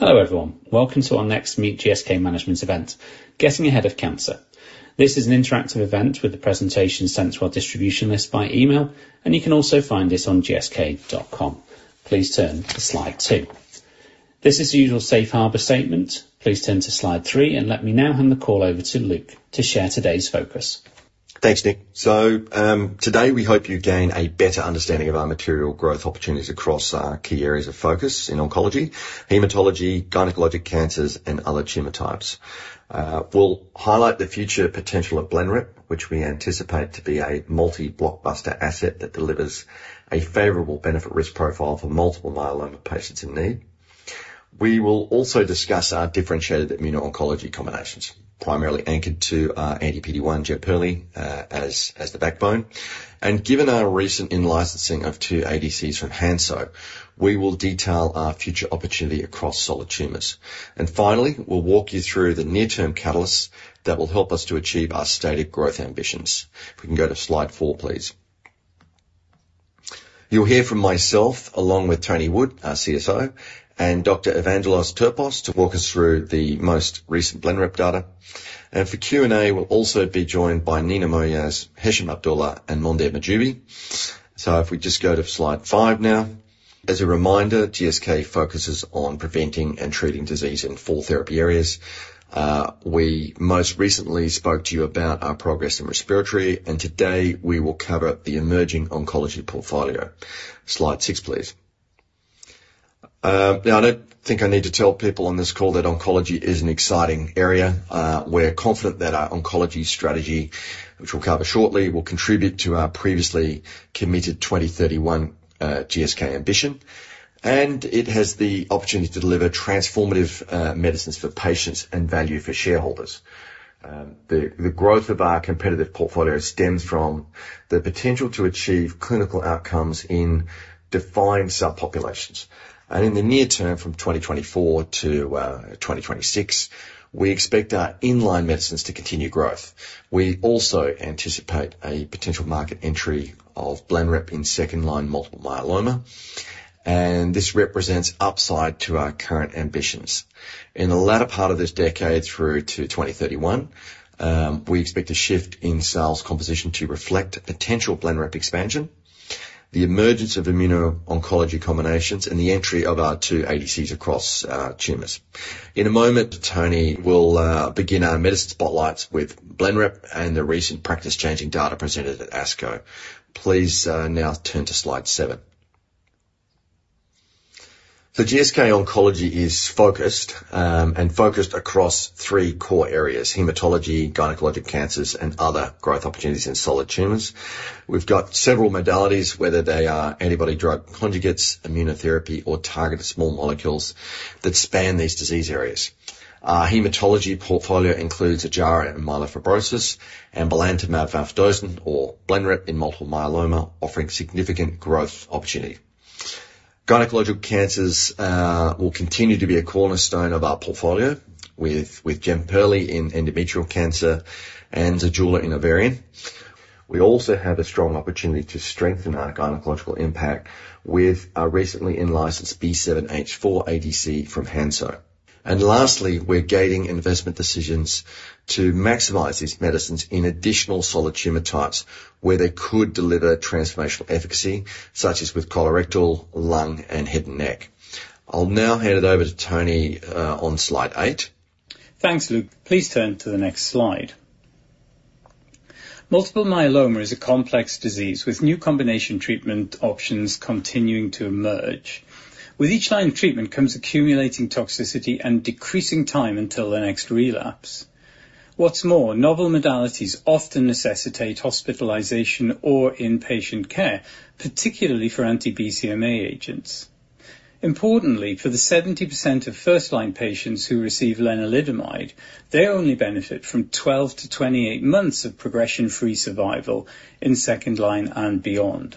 Hello, everyone. Welcome to our next Meet GSK Management event, Getting Ahead of Cancer. This is an interactive event with the presentation sent to our distribution list by email, and you can also find it on gsk.com. Please turn to slide two. This is the usual safe harbor statement. Please turn to slide three, and let me now hand the call over to Luke to share today's focus. Thanks, Nick. So, today, we hope you gain a better understanding of our material growth opportunities across our key areas of focus in oncology, hematology, gynecologic cancers, and other tumor types. We'll highlight the future potential of Blenrep, which we anticipate to be a multi-blockbuster asset that delivers a favorable benefit risk profile for multiple myeloma patients in need. We will also discuss our differentiated immuno-oncology combinations, primarily anchored to our anti-PD-1, Jemperli, as the backbone. And given our recent in-licensing of two ADCs from Hansoh, we will detail our future opportunity across solid tumors. And finally, we'll walk you through the near-term catalysts that will help us to achieve our stated growth ambitions. If we can go to slide four, please. You'll hear from myself, along with Tony Wood, our CSO, and Dr. Evangelos Terpos, to walk us through the most recent Blenrep data. For Q&A, we'll also be joined by Nina Mojas, Hesham Abdullah, and Monder Majdoubi. If we just go to slide five now. As a reminder, GSK focuses on preventing and treating disease in four therapy areas. We most recently spoke to you about our progress in respiratory, and today, we will cover the emerging oncology portfolio. Slide six, please. Now, I don't think I need to tell people on this call that oncology is an exciting area. We're confident that our oncology strategy, which we'll cover shortly, will contribute to our previously committed 2031 GSK ambition, and it has the opportunity to deliver transformative medicines for patients and value for shareholders. The growth of our competitive portfolio stems from the potential to achieve clinical outcomes in defined subpopulations. In the near term, from 2024 to 2026, we expect our in-line medicines to continue growth. We also anticipate a potential market entry of Blenrep in second-line multiple myeloma, and this represents upside to our current ambitions. In the latter part of this decade through to 2031, we expect a shift in sales composition to reflect potential Blenrep expansion, the emergence of immuno-oncology combinations, and the entry of our two ADCs across tumors. In a moment, Tony will begin our medicine spotlights with Blenrep and the recent practice-changing data presented at ASCO. Please now turn to Slide seven. GSK Oncology is focused and focused across three core areas: hematology, gynecologic cancers, and other growth opportunities in solid tumors. We've got several modalities, whether they are antibody drug conjugates, immunotherapy, or targeted small molecules that span these disease areas. Our hematology portfolio includes Ojjaara and myelofibrosis, and belantamab mafodotin, or Blenrep, in multiple myeloma, offering significant growth opportunity. Gynecological cancers will continue to be a cornerstone of our portfolio with Jemperli in endometrial cancer and Zejula in ovarian. We also have a strong opportunity to strengthen our gynecological impact with our recently in-licensed B7-H4 ADC from Hansoh. And lastly, we're gaining investment decisions to maximize these medicines in additional solid tumor types where they could deliver transformational efficacy, such as with colorectal, lung, and head and neck. I'll now hand it over to Tony on slide eight. Thanks, Luke. Please turn to the next slide. Multiple myeloma is a complex disease with new combination treatment options continuing to emerge. With each line of treatment comes accumulating toxicity and decreasing time until the next relapse. What's more, novel modalities often necessitate hospitalization or in-patient care, particularly for anti-BCMA agents. Importantly, for the 70% of first-line patients who receive lenalidomide, they only benefit from 12-28 months of progression-free survival in second line and beyond.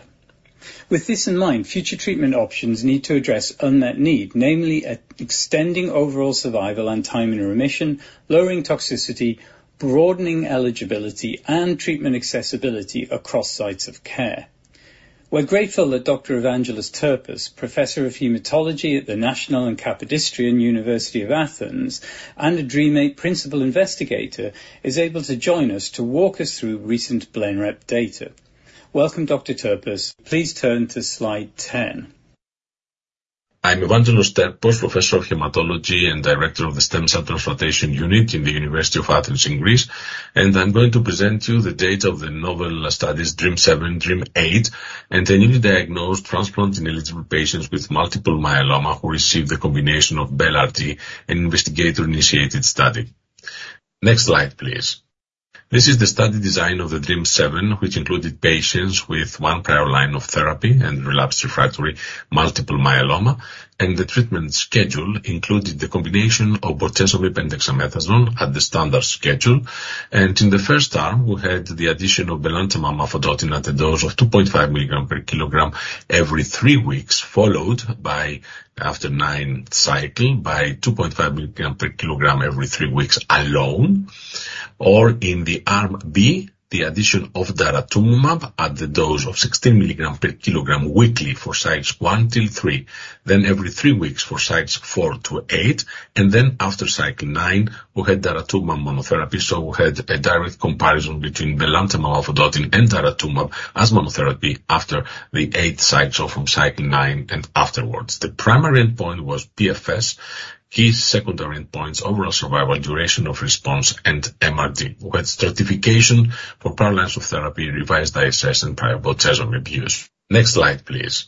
With this in mind, future treatment options need to address unmet need, namely, extending overall survival and time in remission, lowering toxicity, broadening eligibility and treatment accessibility across sites of care. We're grateful that Dr. Evangelos Terpos, Professor of Hematology at the National and Kapodistrian University of Athens and a DREAMM-8 Principal Investigator, is able to join us to walk us through recent Blenrep data. Welcome, Dr. Terpos. Please turn to slide 10. I'm Evangelos Terpos, Professor of Hematology and Director of the Stem Cell Transplant Unit in the University of Athens in Greece, and I'm going to present you the data of the novel studies, DREAMM-7, DREAMM-8, and the newly diagnosed transplant-ineligible patients with multiple myeloma who received the combination of Blenrep, an investigator-initiated study. Next slide, please. This is the study design of the DREAMM-7, which included patients with one prior line of therapy and relapsed refractory multiple myeloma, and the treatment schedule included the combination of bortezomib and dexamethasone at the standard schedule. In the first arm, we had the addition of belantamab mafodotin at a dose of 2.5 mg/kg every three weeks, followed by, after nine cycles, 2.5 mg/kg every three weeks alone. Or in arm B, the addition of daratumumab at the dose of 16 milligrams per kilogram weekly for cycles one till three, then every three weeks for cycles four to eight, and then after cycle nine, we had daratumumab monotherapy. So we had a direct comparison between belantamab mafodotin and daratumumab as monotherapy after the eight cycles, so from cycle nine and afterwards. The primary endpoint was PFS. Key secondary endpoints, overall survival, duration of response, and MRD. We had stratification for prior lines of therapy, revised ISS, and prior bortezomib use. Next slide, please.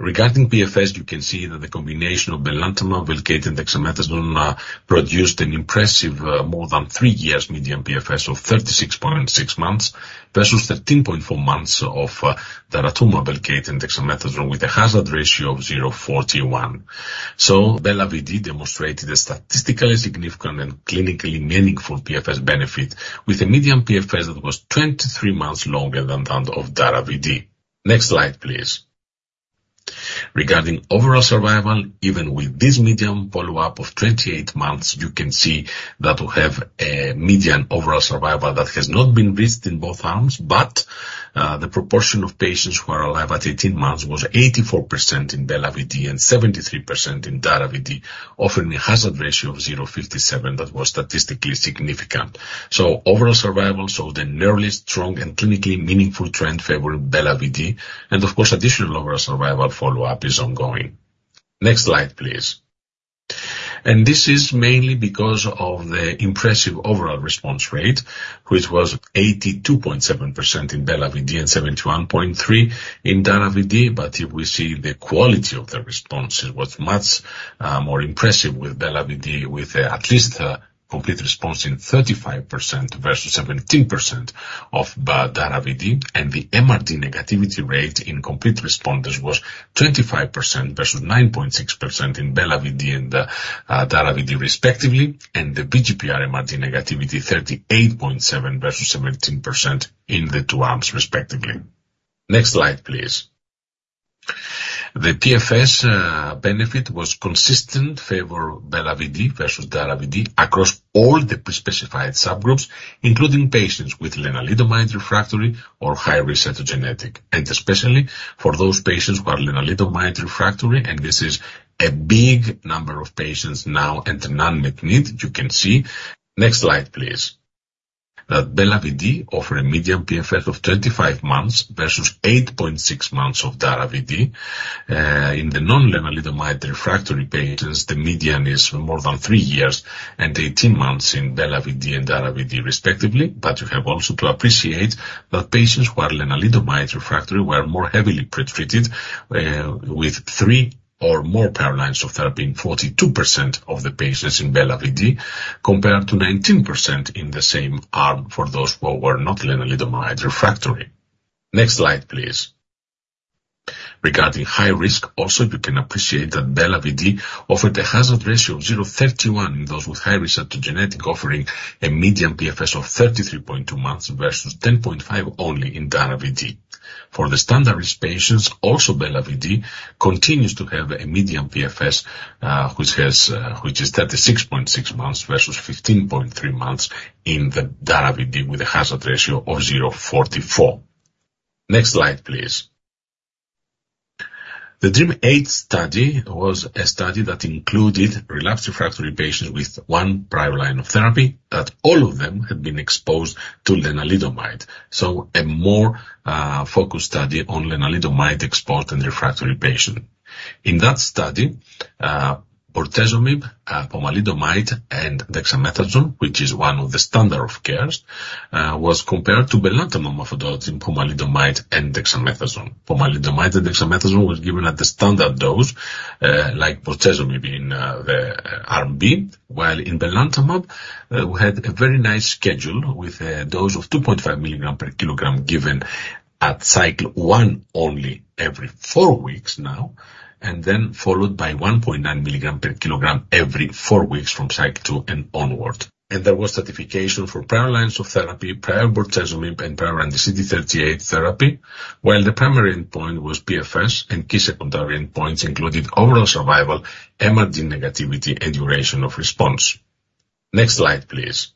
Regarding PFS, you can see that the combination of belantamab, Velcade, and dexamethasone produced an impressive, more than three years median PFS of 36.6 months, versus 13.4 months of daratumumab, Velcade, and dexamethasone, with a hazard ratio of 0.41. So Blenrep VD demonstrated a statistically significant and clinically meaningful PFS benefit, with a median PFS that was 23 months longer than that of Dara-Vd. Next slide, please. Regarding overall survival, even with this median follow-up of 28 months, you can see that we have a median overall survival that has not been reached in both arms. But, the proportion of patients who are alive at 18 months was 84% in Blenrep VD and 73% in Dara-Vd, offering a hazard ratio of 0.57 that was statistically significant. So overall survival showed a nearly strong and clinically meaningful trend favor Blenrep VD, and of course, additional overall survival follow-up is ongoing. Next slide, please. And this is mainly because of the impressive overall response rate, which was 82.7% in Blenrep VD and 71.3 in Dara-Vd. But if we see the quality of the response, it was much more impressive with Bela-Vd, with at least a complete response in 35% versus 17% of Dara-Vd. And the MRD negativity rate in complete responders was 25% versus 9.6% in Bela-Vd and Dara-Vd, respectively, and the VGPR MRD negativity, 38.7% versus 17% in the two arms, respectively. Next slide, please. The PFS benefit was consistent in favor of Bela-Vd versus Dara-Vd across all the pre-specified subgroups, including patients with lenalidomide refractory or high-risk cytogenetic, and especially for those patients who are lenalidomide refractory. And this is a big number of patients now and an unmet need, you can see. Next slide, please. That Bela-Vd offered a median PFS of 25 months versus 8.6 months of Dara-Vd. In the non-lenalidomide refractory patients, the median is more than three years and 18 months in Bela-Vd and Dara-Vd, respectively. But you have also to appreciate that patients who are lenalidomide refractory were more heavily pretreated, with three or more prior lines of therapy in 42% of the patients in Bela-Vd, compared to 19% in the same arm for those who were not lenalidomide refractory. Next slide, please. Regarding high risk, also, you can appreciate that Bela-Vd offered a hazard ratio of 0.31 in those with high-risk cytogenetic, offering a median PFS of 33.2 months versus 10.5 only in Dara-Vd. For the standard risk patients, also, Bela-Vd continues to have a median PFS, which is 36.6 months versus 15.3 months in the Dara-Vd, with a hazard ratio of 0.44. Next slide, please. The DREAMM-8 study was a study that included relapsed refractory patients with one prior line of therapy, that all of them had been exposed to lenalidomide. So a more focused study on lenalidomide-exposed and refractory patient. In that study, bortezomib, pomalidomide, and dexamethasone, which is one of the standard of cares, was compared to belantamab mafodotin, pomalidomide, and dexamethasone. Pomalidomide and dexamethasone was given at the standard dose, like bortezomib in the arm B, while in belantamab, we had a very nice schedule with a dose of 2.5 milligrams per kilogram given at cycle one, only every four weeks now, and then followed by 1.9 milligrams per kilogram every four weeks from cycle two and onward. And there was stratification for prior lines of therapy, prior bortezomib, and prior anti-CD38 therapy. While the primary endpoint was PFS, and key secondary endpoints included overall survival, MRD negativity, and duration of response. Next slide, please.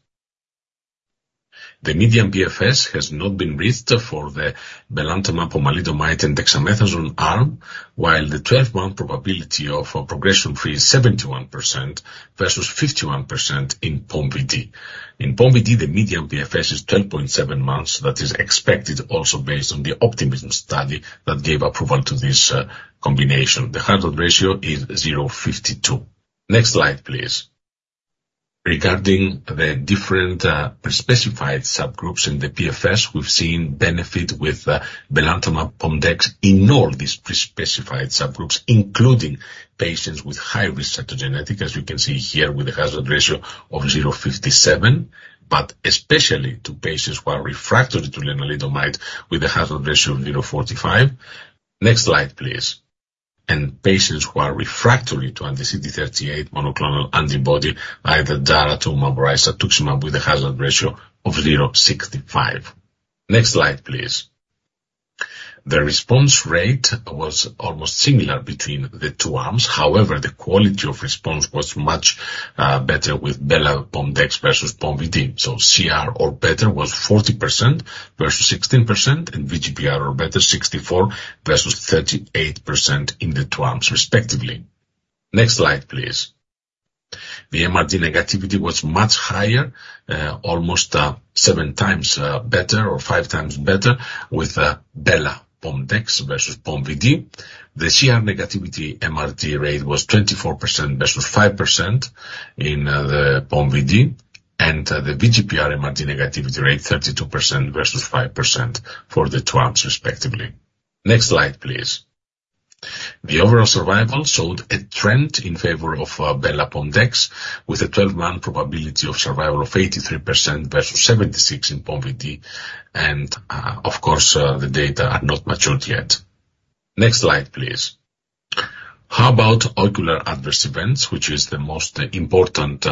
The median PFS has not been reached for the belantamab, pomalidomide, and dexamethasone arm, while the 12-month probability of a progression-free is 71% versus 51% in Pom-Vd. In Pom-Vd, the median PFS is 10.7 months. That is expected also based on the OPTIMUM study that gave approval to this combination. The hazard ratio is 0.52. Next slide, please. Regarding the different pre-specified subgroups in the PFS, we've seen benefit with belantamab Pom-Dex in all these pre-specified subgroups, including patients with high-risk cytogenetic, as you can see here, with a hazard ratio of 0.57, but especially to patients who are refractory to lenalidomide, with a hazard ratio of 0.45. Next slide, please. And patients who are refractory to anti-CD38 monoclonal antibody, either daratumumab or isatuximab, with a hazard ratio of 0.65. Next slide, please. The response rate was almost similar between the two arms. However, the quality of response was much better with Bela-Pom-Dex versus Pom-Vd. So CR or better was 40% versus 16%, and VGPR or better, 64% versus 38% in the two arms, respectively. Next slide, please. The MRD negativity was much higher, almost seven times better or five times better with Bela-Pom-Dex versus Pom-Vd. The CR negativity MRD rate was 24% versus 5% in the Pom-Vd, and the VGPR MRD negativity rate, 32% versus 5% for the two arms, respectively. Next slide, please. The overall survival showed a trend in favor of Bela-Pom-Dex, with a 12-month probability of survival of 83% versus 76% in Pom-Vd, and, of course, the data are not matured yet. Next slide, please. How about ocular adverse events, which is the most important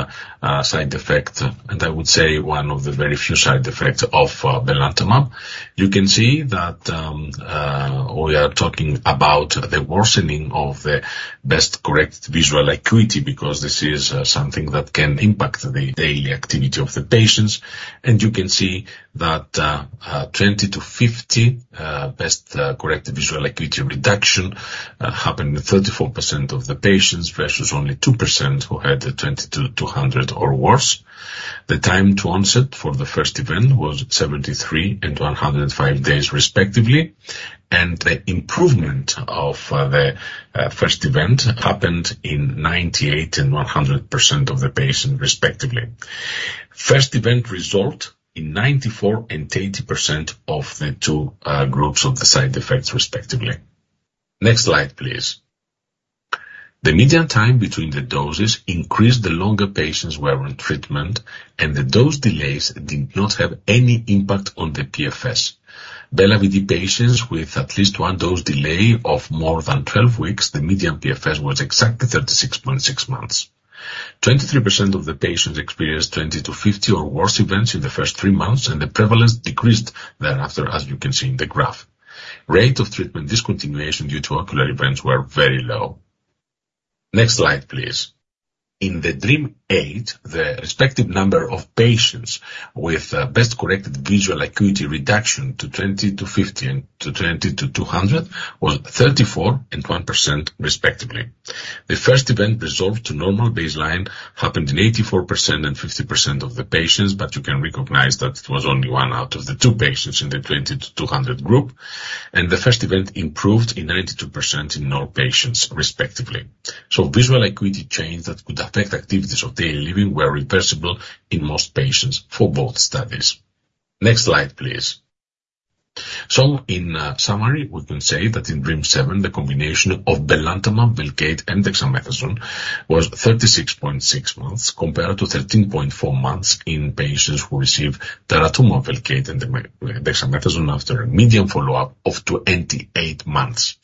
side effect, and I would say one of the very few side effects of belantamab? You can see that, we are talking about the worsening of the best-corrected visual acuity, because this is, something that can impact the daily activity of the patients. And you can see that, 20-50 best-corrected visual acuity reduction happened in 34% of the patients, versus only 2% who had a 20-200 or worse. The time to onset for the first event was 73 and 105 days, respectively, and the improvement of, the, first event happened in 98 and 100% of the patients, respectively. First event result in 94 and 80% of the two groups of the side effects, respectively. Next slide, please. The median time between the doses increased the longer patients were on treatment, and the dose delays did not have any impact on the PFS. Blenrep VD patients with at least one dose delay of more than 12 weeks, the median PFS was exactly 36.6 months. 23% of the patients experienced 20/50 or worse events in the first three months, and the prevalence decreased thereafter, as you can see in the graph. Rate of treatment discontinuation due to ocular events were very low. Next slide, please. In the DREAMM-8, the respective number of patients with best corrected visual acuity reduction to 20/50 and to 20/200 was 34% and 1%, respectively. The first event resolved to normal baseline happened in 84% and 50% of the patients, but you can recognize that it was only one out of the two patients in the 20-200 group, and the first event improved in 92% in all patients, respectively. So visual acuity change that could affect activities of daily living were reversible in most patients for both studies. Next slide, please. So in summary, we can say that in DREAMM-7, the combination of belantamab, Velcade, and dexamethasone was 36.6 months, compared to 13.4 months in patients who received daratumumab, Velcade, and dexamethasone after a median follow-up of 28 months.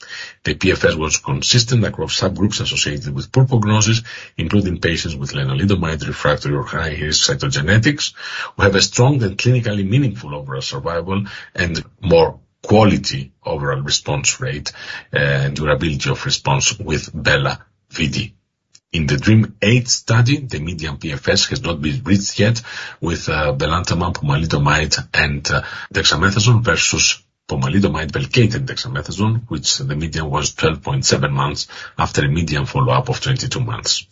The PFS was consistent across subgroups associated with poor prognosis, including patients with lenalidomide-refractory or high-risk cytogenetics. We have a strong and clinically meaningful overall survival and more quality overall response rate, and durability of response with Bela-Vd. In the DREAMM-8 study, the median PFS has not been reached yet with belantamab, pomalidomide, and dexamethasone versus pomalidomide, Velcade, and dexamethasone, which the median was 12.7 months after a median follow-up of 22 months.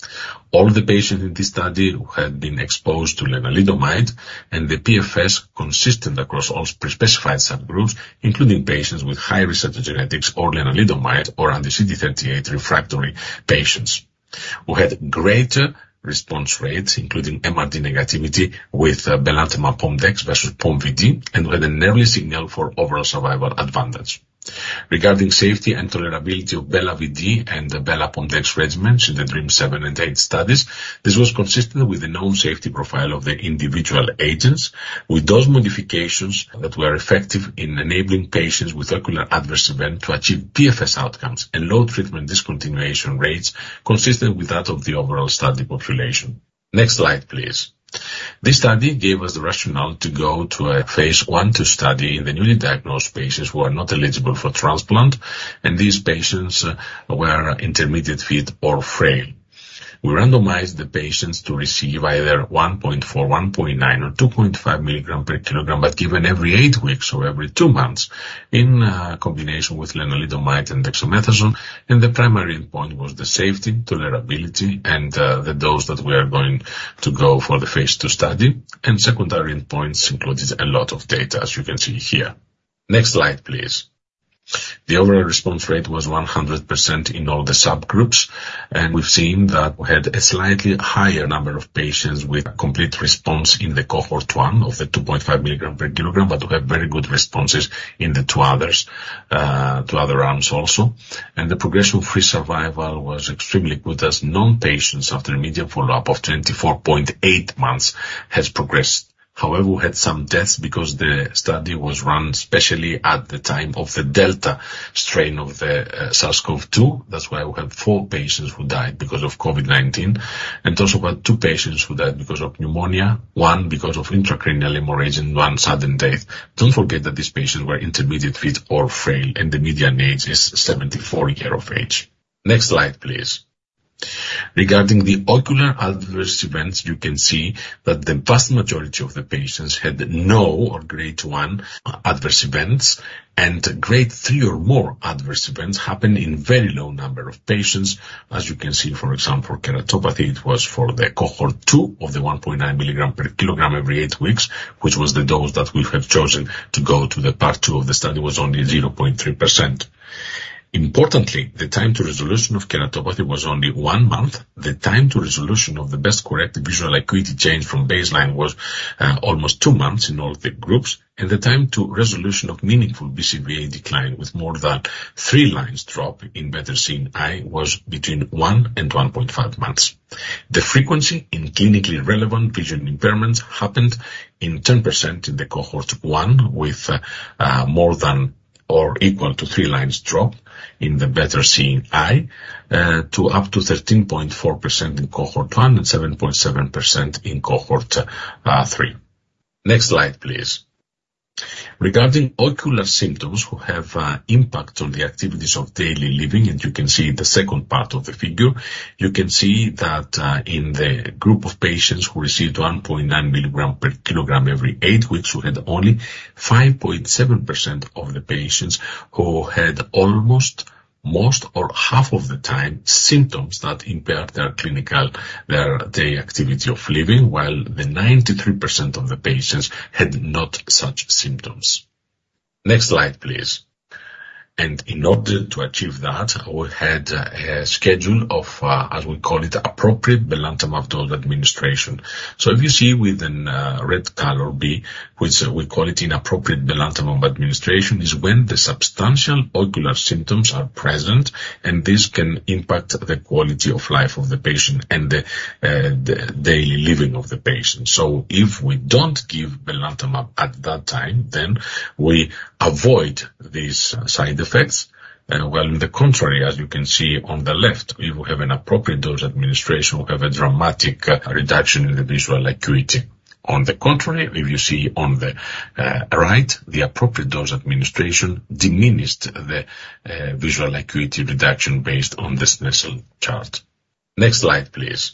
All the patients in this study had been exposed to lenalidomide, and the PFS consistent across all pre-specified subgroups, including patients with high-risk cytogenetics or lenalidomide or anti-CD38 refractory patients. We had greater response rates, including MRD negativity, with belantamab Pom-Dex versus Pom-Vd, and we had an early signal for overall survival advantage. Regarding safety and tolerability of Bela-Vd and the Bela Pom-Dex regimens in the DREAMM-7 and 8 studies, this was consistent with the known safety profile of the individual agents. With dose modifications that were effective in enabling patients with ocular adverse event to achieve PFS outcomes and low treatment discontinuation rates, consistent with that of the overall study population. Next slide, please. This study gave us the rationale to go to a phase I/II study in the newly diagnosed patients who are not eligible for transplant, and these patients were intermediate fit or frail. We randomized the patients to receive either 1.4, 1.9, or 2.5 milligrams per kilogram, but given every eight weeks or every two months, in combination with lenalidomide and dexamethasone. The primary endpoint was the safety, tolerability, and the dose that we are going to go for the phase II study. Secondary endpoints included a lot of data, as you can see here. Next slide, please. The overall response rate was 100% in all the subgroups, and we've seen that we had a slightly higher number of patients with complete response in the cohort 1 of the 2.5 milligram per kilogram, but we have very good responses in the two others, two other arms also. The progression-free survival was extremely good, as no patients after a median follow-up of 24.8 months, has progressed. However, we had some deaths because the study was run, especially at the time of the Delta strain of the SARS-CoV-2. That's why we had 4 patients who died because of COVID-19, and also we had two patients who died because of pneumonia, one because of intracranial hemorrhage and one sudden death. Don't forget that these patients were intermediate fit or frail, and the median age is 74 years of age. Next slide, please. Regarding the ocular adverse events, you can see that the vast majority of the patients had no or Grade 1 adverse events, and Grade 3 or more adverse events happened in very low number of patients. As you can see, for example, keratopathy, it was for the cohort 2 of the 1.9 milligram per kilogram every 8 weeks, which was the dose that we have chosen to go to the part two of the study, was only 0.3%. Importantly, the time to resolution of keratopathy was only one month. The time to resolution of the best corrective visual acuity change from baseline was almost two months in all the groups, and the time to resolution of meaningful BCVA decline was more than three lines drop in better seeing eye was between one and 1.5 months. The frequency in clinically relevant vision impairments happened in 10% in the cohort 1, with, more than or equal to three lines drop in the better seeing eye, to up to 13.4% in cohort 1 and 7.7% in cohort, 3. Next slide, please. Regarding ocular symptoms who have, impact on the activities of daily living, and you can see in the second part of the figure, you can see that, in the group of patients who received 1.9 milligram per kilogram every eight weeks, who had only 5.7% of the patients who had almost, most or half of the time, symptoms that impaired their clinical- their daily activity of living, while the 93% of the patients had not such symptoms. Next slide, please. And in order to achieve that, we had a schedule of, as we call it, appropriate belantamab dose administration. So if you see within red color B, which we call it inappropriate belantamab administration, is when the substantial ocular symptoms are present, and this can impact the quality of life of the patient and the daily living of the patient. So if we don't give belantamab at that time, then we avoid these side effects. Well, in the contrary, as you can see on the left, if you have an appropriate dose administration, we have a dramatic reduction in the visual acuity. On the contrary, if you see on the right, the appropriate dose administration diminished the visual acuity reduction based on the Snellen Chart. Next slide, please.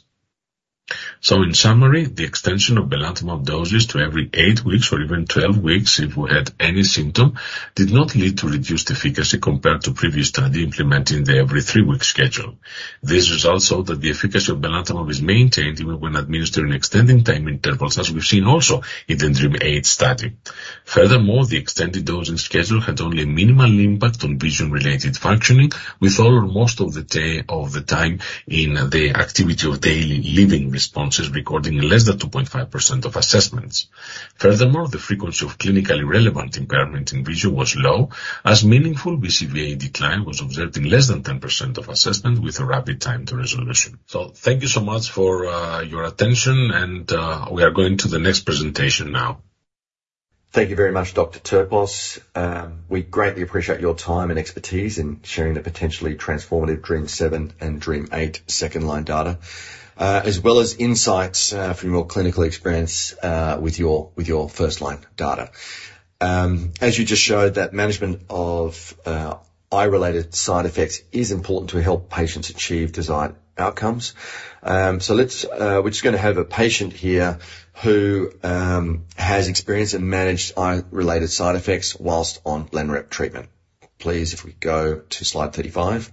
So in summary, the extension of belantamab doses to every eight weeks or even 12 weeks, if we had any symptom, did not lead to reduced efficacy compared to previous study implementing the every three-week schedule. These results show that the efficacy of belantamab is maintained even when administering extending time intervals, as we've seen also in the DREAMM-8 study. Furthermore, the extended dosing schedule had only a minimal impact on vision-related functioning, with all or most of the time in the activity of daily living responses, recording less than 2.5% of assessments. Furthermore, the frequency of clinically relevant impairment in vision was low, as meaningful BCVA decline was observed in less than 10% of assessment with a rapid time to resolution. So thank you so much for your attention, and we are going to the next presentation now. Thank you very much, Dr. Terpos. We greatly appreciate your time and expertise in sharing the potentially transformative DREAMM-7 and DREAMM-8 second line data, as well as insights, from your clinical experience, with your, with your first-line data. As you just showed, that management of, eye-related side effects is important to help patients achieve desired outcomes. So let's... We're just gonna have a patient here who, has experienced and managed eye-related side effects while on Blenrep treatment. Please, if we go to slide 35.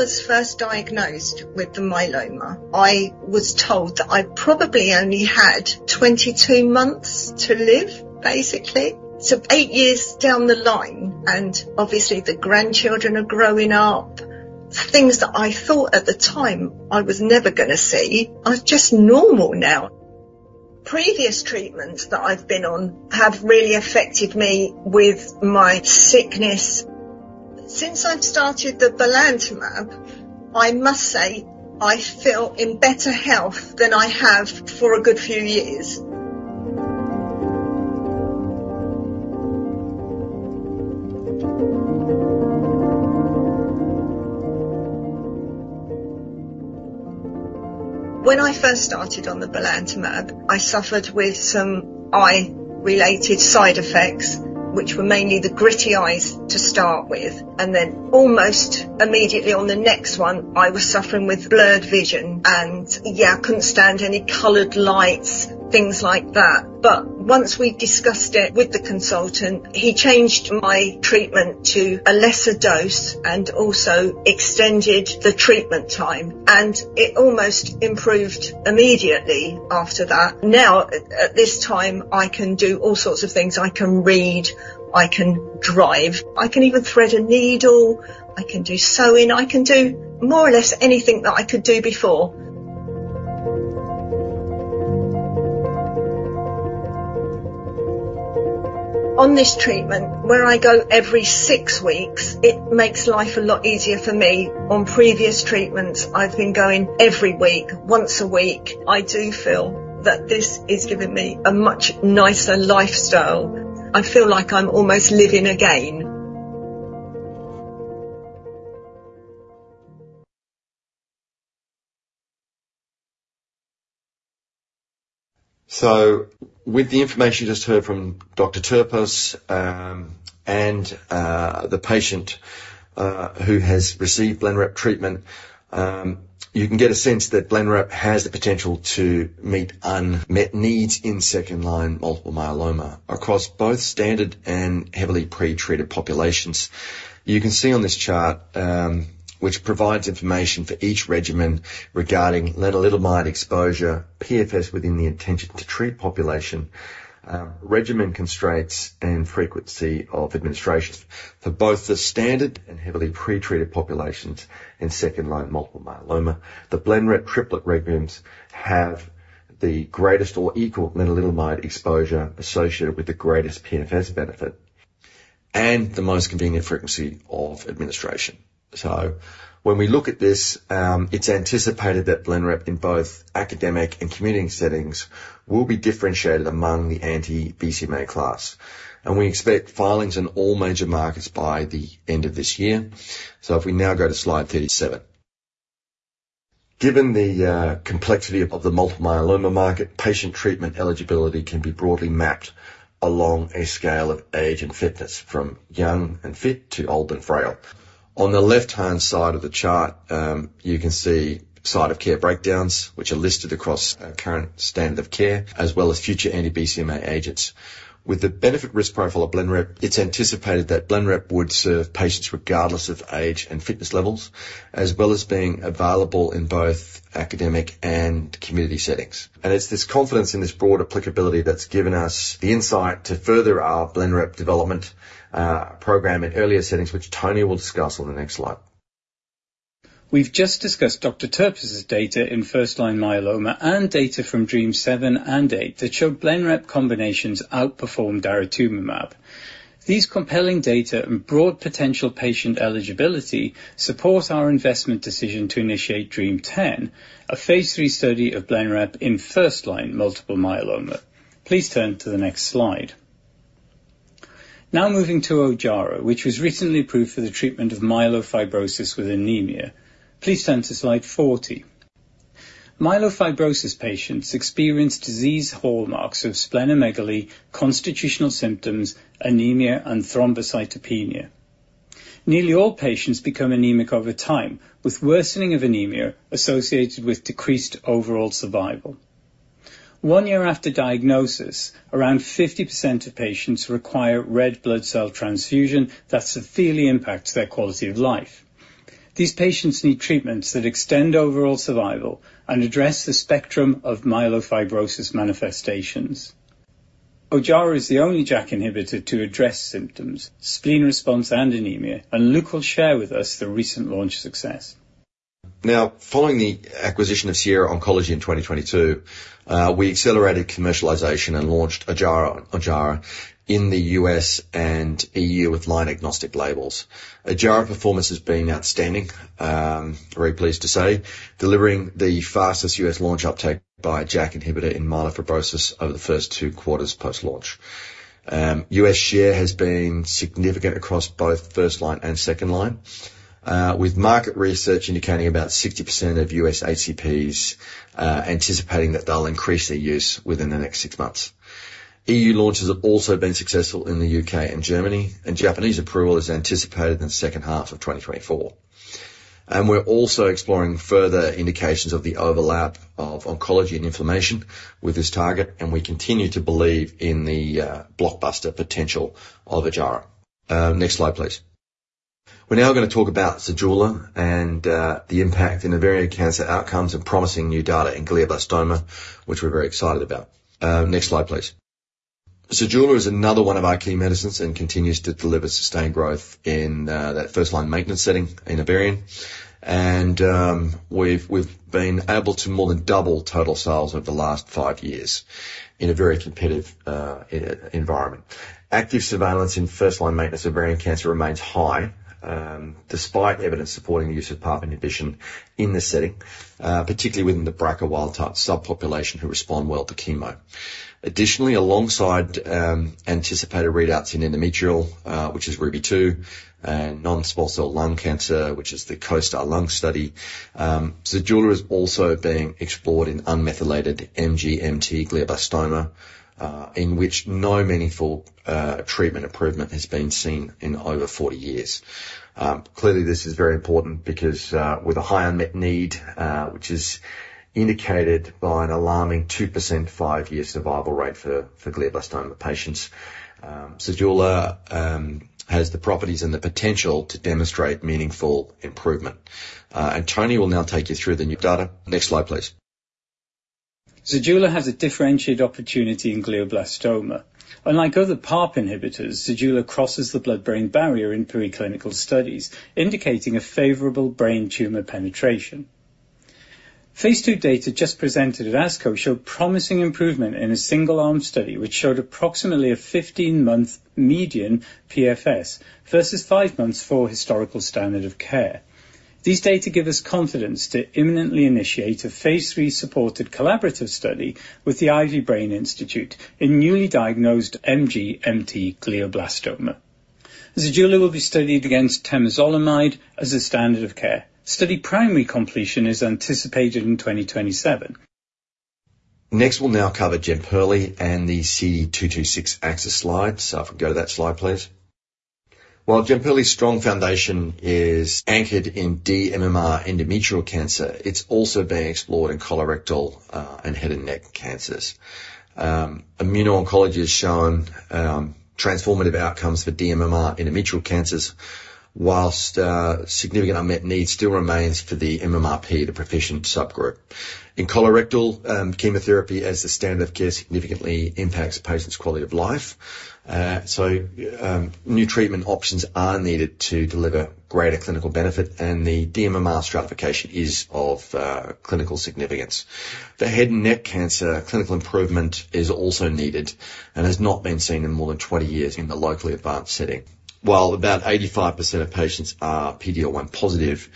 When I was first diagnosed with the myeloma, I was told that I probably only had 22 months to live, basically. So eight years down the line, and obviously the grandchildren are growing up, things that I thought at the time I was never gonna see are just normal now. Previous treatments that I've been on have really affected me with my sickness. Since I've started the belantamab, I must say I feel in better health than I have for a good few years. When I first started on the belantamab, I suffered with some eye-related side effects, which were mainly the gritty eyes to start with, and then almost immediately on the next one, I was suffering with blurred vision. And, yeah, I couldn't stand any colored lights, things like that. But once we discussed it with the consultant, he changed my treatment to a lesser dose and also extended the treatment time, and it almost improved immediately after that. Now, at this time, I can do all sorts of things. I can read... I can drive. I can even thread a needle, I can do sewing. I can do more or less anything that I could do before. On this treatment, where I go every six weeks, it makes life a lot easier for me. On previous treatments, I've been going every week, once a week. I do feel that this is giving me a much nicer lifestyle. I feel like I'm almost living again. So with the information you just heard from Dr. Terpos, and the patient who has received Blenrep treatment, you can get a sense that Blenrep has the potential to meet unmet needs in second-line multiple myeloma across both standard and heavily pre-treated populations. You can see on this chart, which provides information for each regimen regarding lenalidomide exposure, PFS within the intention-to-treat population, regimen constraints, and frequency of administration. For both the standard and heavily pre-treated populations in second-line multiple myeloma, the Blenrep triplet regimens have the greatest or equal lenalidomide exposure associated with the greatest PFS benefit, and the most convenient frequency of administration. So when we look at this, it's anticipated that Blenrep in both academic and community settings will be differentiated among the anti-BCMA class. And we expect filings in all major markets by the end of this year. So if we now go to slide 37. Given the complexity of the multiple myeloma market, patient treatment eligibility can be broadly mapped along a scale of age and fitness, from young and fit to old and frail. On the left-hand side of the chart, you can see site-of-care breakdowns, which are listed across a current standard of care, as well as future anti-BCMA agents. With the benefit risk profile of Blenrep, it's anticipated that Blenrep would serve patients regardless of age and fitness levels, as well as being available in both academic and community settings. And it's this confidence in this broad applicability that's given us the insight to further our Blenrep development program in earlier settings, which Tony will discuss on the next slide. We've just discussed Dr. Terpos' data in first-line myeloma and data from DREAMM-7 and 8, that show Blenrep combinations outperformed Daratumumab. These compelling data and broad potential patient eligibility support our investment decision to initiate DREAMM-10, a phase III study of Blenrep in first-line multiple myeloma. Please turn to the next slide. Now moving to Ojjaara, which was recently approved for the treatment of myelofibrosis with anemia. Please turn to slide 40. Myelofibrosis patients experience disease hallmarks of splenomegaly, constitutional symptoms, anemia, and thrombocytopenia. Nearly all patients become anemic over time, with worsening of anemia associated with decreased overall survival. One year after diagnosis, around 50% of patients require red blood cell transfusion, that severely impacts their quality of life. These patients need treatments that extend overall survival and address the spectrum of myelofibrosis manifestations. Ojjaara is the only JAK inhibitor to address symptoms, spleen response, and anemia, and Luke will share with us the recent launch success. Now, following the acquisition of Sierra Oncology in 2022, we accelerated commercialization and launched Ojjaara, Ojjaara in the U.S. and EU with line-agnostic labels. Ojjaara performance has been outstanding, very pleased to say, delivering the fastest U.S. launch uptake by a JAK inhibitor in myelofibrosis over the first two quarters post-launch. U.S. share has been significant across both first line and second line, with market research indicating about 60% of US ACPs, anticipating that they'll increase their use within the next six months. EU launches have also been successful in the UK and Germany, and Japanese approval is anticipated in the second half of 2024. And we're also exploring further indications of the overlap of oncology and inflammation with this target, and we continue to believe in the blockbuster potential of Ojjaara. Next slide, please. We're now going to talk about Zejula and the impact in ovarian cancer outcomes and promising new data in glioblastoma, which we're very excited about. Next slide, please. Zejula is another one of our key medicines and continues to deliver sustained growth in that first-line maintenance setting in ovarian. We've been able to more than double total sales over the last five years in a very competitive environment. Active surveillance in first-line maintenance of ovarian cancer remains high, despite evidence supporting the use of PARP inhibition in this setting, particularly within the BRCA wild-type subpopulation who respond well to chemo. Additionally, alongside anticipated readouts in endometrial, which is RUBY-2, and non-small cell lung cancer, which is the COSTAR Lung Study, Zejula is also being explored in unmethylated MGMT glioblastoma, in which no meaningful treatment improvement has been seen in over 40 years. Clearly, this is very important because, with a high unmet need, which is indicated by an alarming 2% five-year survival rate for glioblastoma patients, Zejula has the properties and the potential to demonstrate meaningful improvement. And Tony will now take you through the new data. Next slide, please. ... Zejula has a differentiated opportunity in glioblastoma. Unlike other PARP inhibitors, Zejula crosses the blood-brain barrier in preclinical studies, indicating a favorable brain tumor penetration. phase II data just presented at ASCO showed promising improvement in a single-arm study, which showed approximately a 15-month median PFS, versus five months for historical standard of care. These data give us confidence to imminently initiate a phase III supported collaborative study with the Ivy Brain Institute in newly diagnosed MGMT glioblastoma. Zejula will be studied against temozolomide as a standard of care. Study primary completion is anticipated in 2027. Next, we'll now cover Jemperli and the CD226 axis slide. So if we go to that slide, please. While Jemperli's strong foundation is anchored in dMMR endometrial cancer, it's also being explored in colorectal and head and neck cancers. Immuno-Oncology has shown transformative outcomes for dMMR endometrial cancers, while significant unmet needs still remain for the MMR-proficient subgroup. In colorectal, chemotherapy as the standard of care significantly impacts a patient's quality of life. So, new treatment options are needed to deliver greater clinical benefit, and the dMMR stratification is of clinical significance. For head and neck cancer, clinical improvement is also needed and has not been seen in more than 20 years in the locally advanced setting. While about 85% of patients are PD-L1 positive,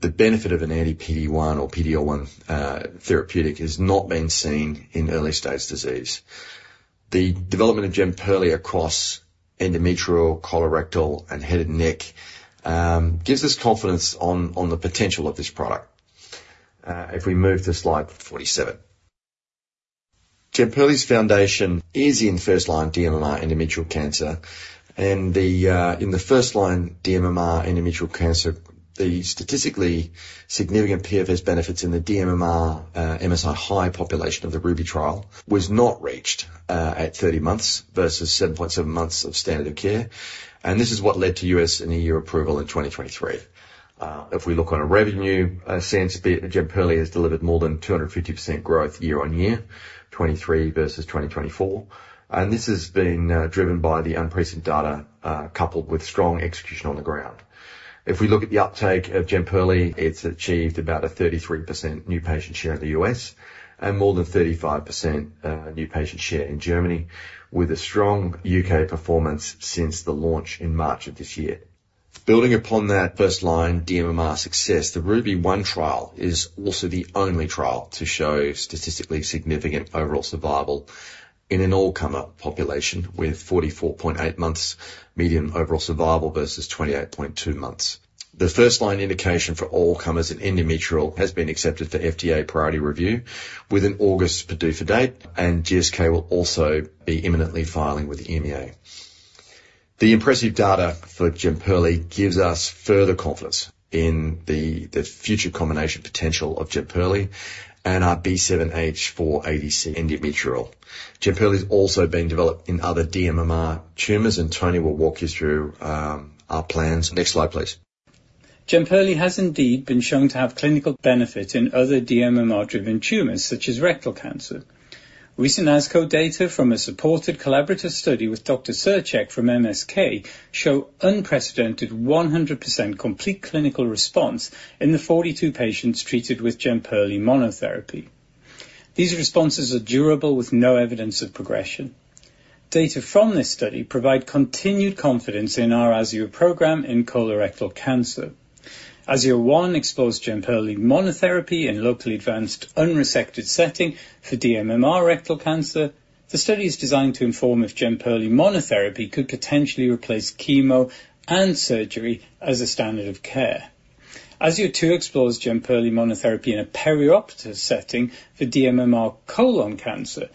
the benefit of an anti-PD1 or PD-L1 therapeutic has not been seen in early-stage disease. The development of Jemperli across endometrial, colorectal, and head and neck gives us confidence on the potential of this product. If we move to slide 47. Jemperli's foundation is in first-line dMMR endometrial cancer, and in the first line, dMMR endometrial cancer, the statistically significant PFS benefits in the dMMR MSI high population of the Ruby trial was not reached at 30 months versus 7.7 months of standard of care. And this is what led to U.S. and EU approval in 2023. If we look on a revenue sense, Jemperli has delivered more than 250% growth year-on-year, 2023 versus 2024. This has been driven by the unprecedented data, coupled with strong execution on the ground. If we look at the uptake of Jemperli, it's achieved about a 33% new patient share in the U.S., and more than 35% new patient share in Germany, with a strong U.K. performance since the launch in March of this year. Building upon that first-line dMMR success, the Ruby one trial is also the only trial to show statistically significant overall survival in an all-comer population, with 44.8 months median overall survival versus 28.2 months. The first-line indication for all comers in endometrial has been accepted for FDA priority review with an August PDUFA date, and GSK will also be imminently filing with the EMA. The impressive data for Jemperli gives us further confidence in the future combination potential of Jemperli and our B7-H4 ADC endometrial. Jemperli is also being developed in other dMMR tumors, and Tony will walk you through our plans. Next slide, please. Jemperli has indeed been shown to have clinical benefit in other dMMR-driven tumors, such as rectal cancer. Recent ASCO data from a supported collaborative study with Dr. Cercek from MSK show unprecedented 100% complete clinical response in the 42 patients treated with Jemperli monotherapy. These responses are durable with no evidence of progression. Data from this study provide continued confidence in our AZUR program in colorectal cancer. AZUR-1 explores Jemperli monotherapy in locally advanced, unresected setting for dMMR rectal cancer. The study is designed to inform if Jemperli monotherapy could potentially replace chemo and surgery as a standard of care. AZUR-2 explores Jemperli monotherapy in a perioperative setting for dMMR colon cancer.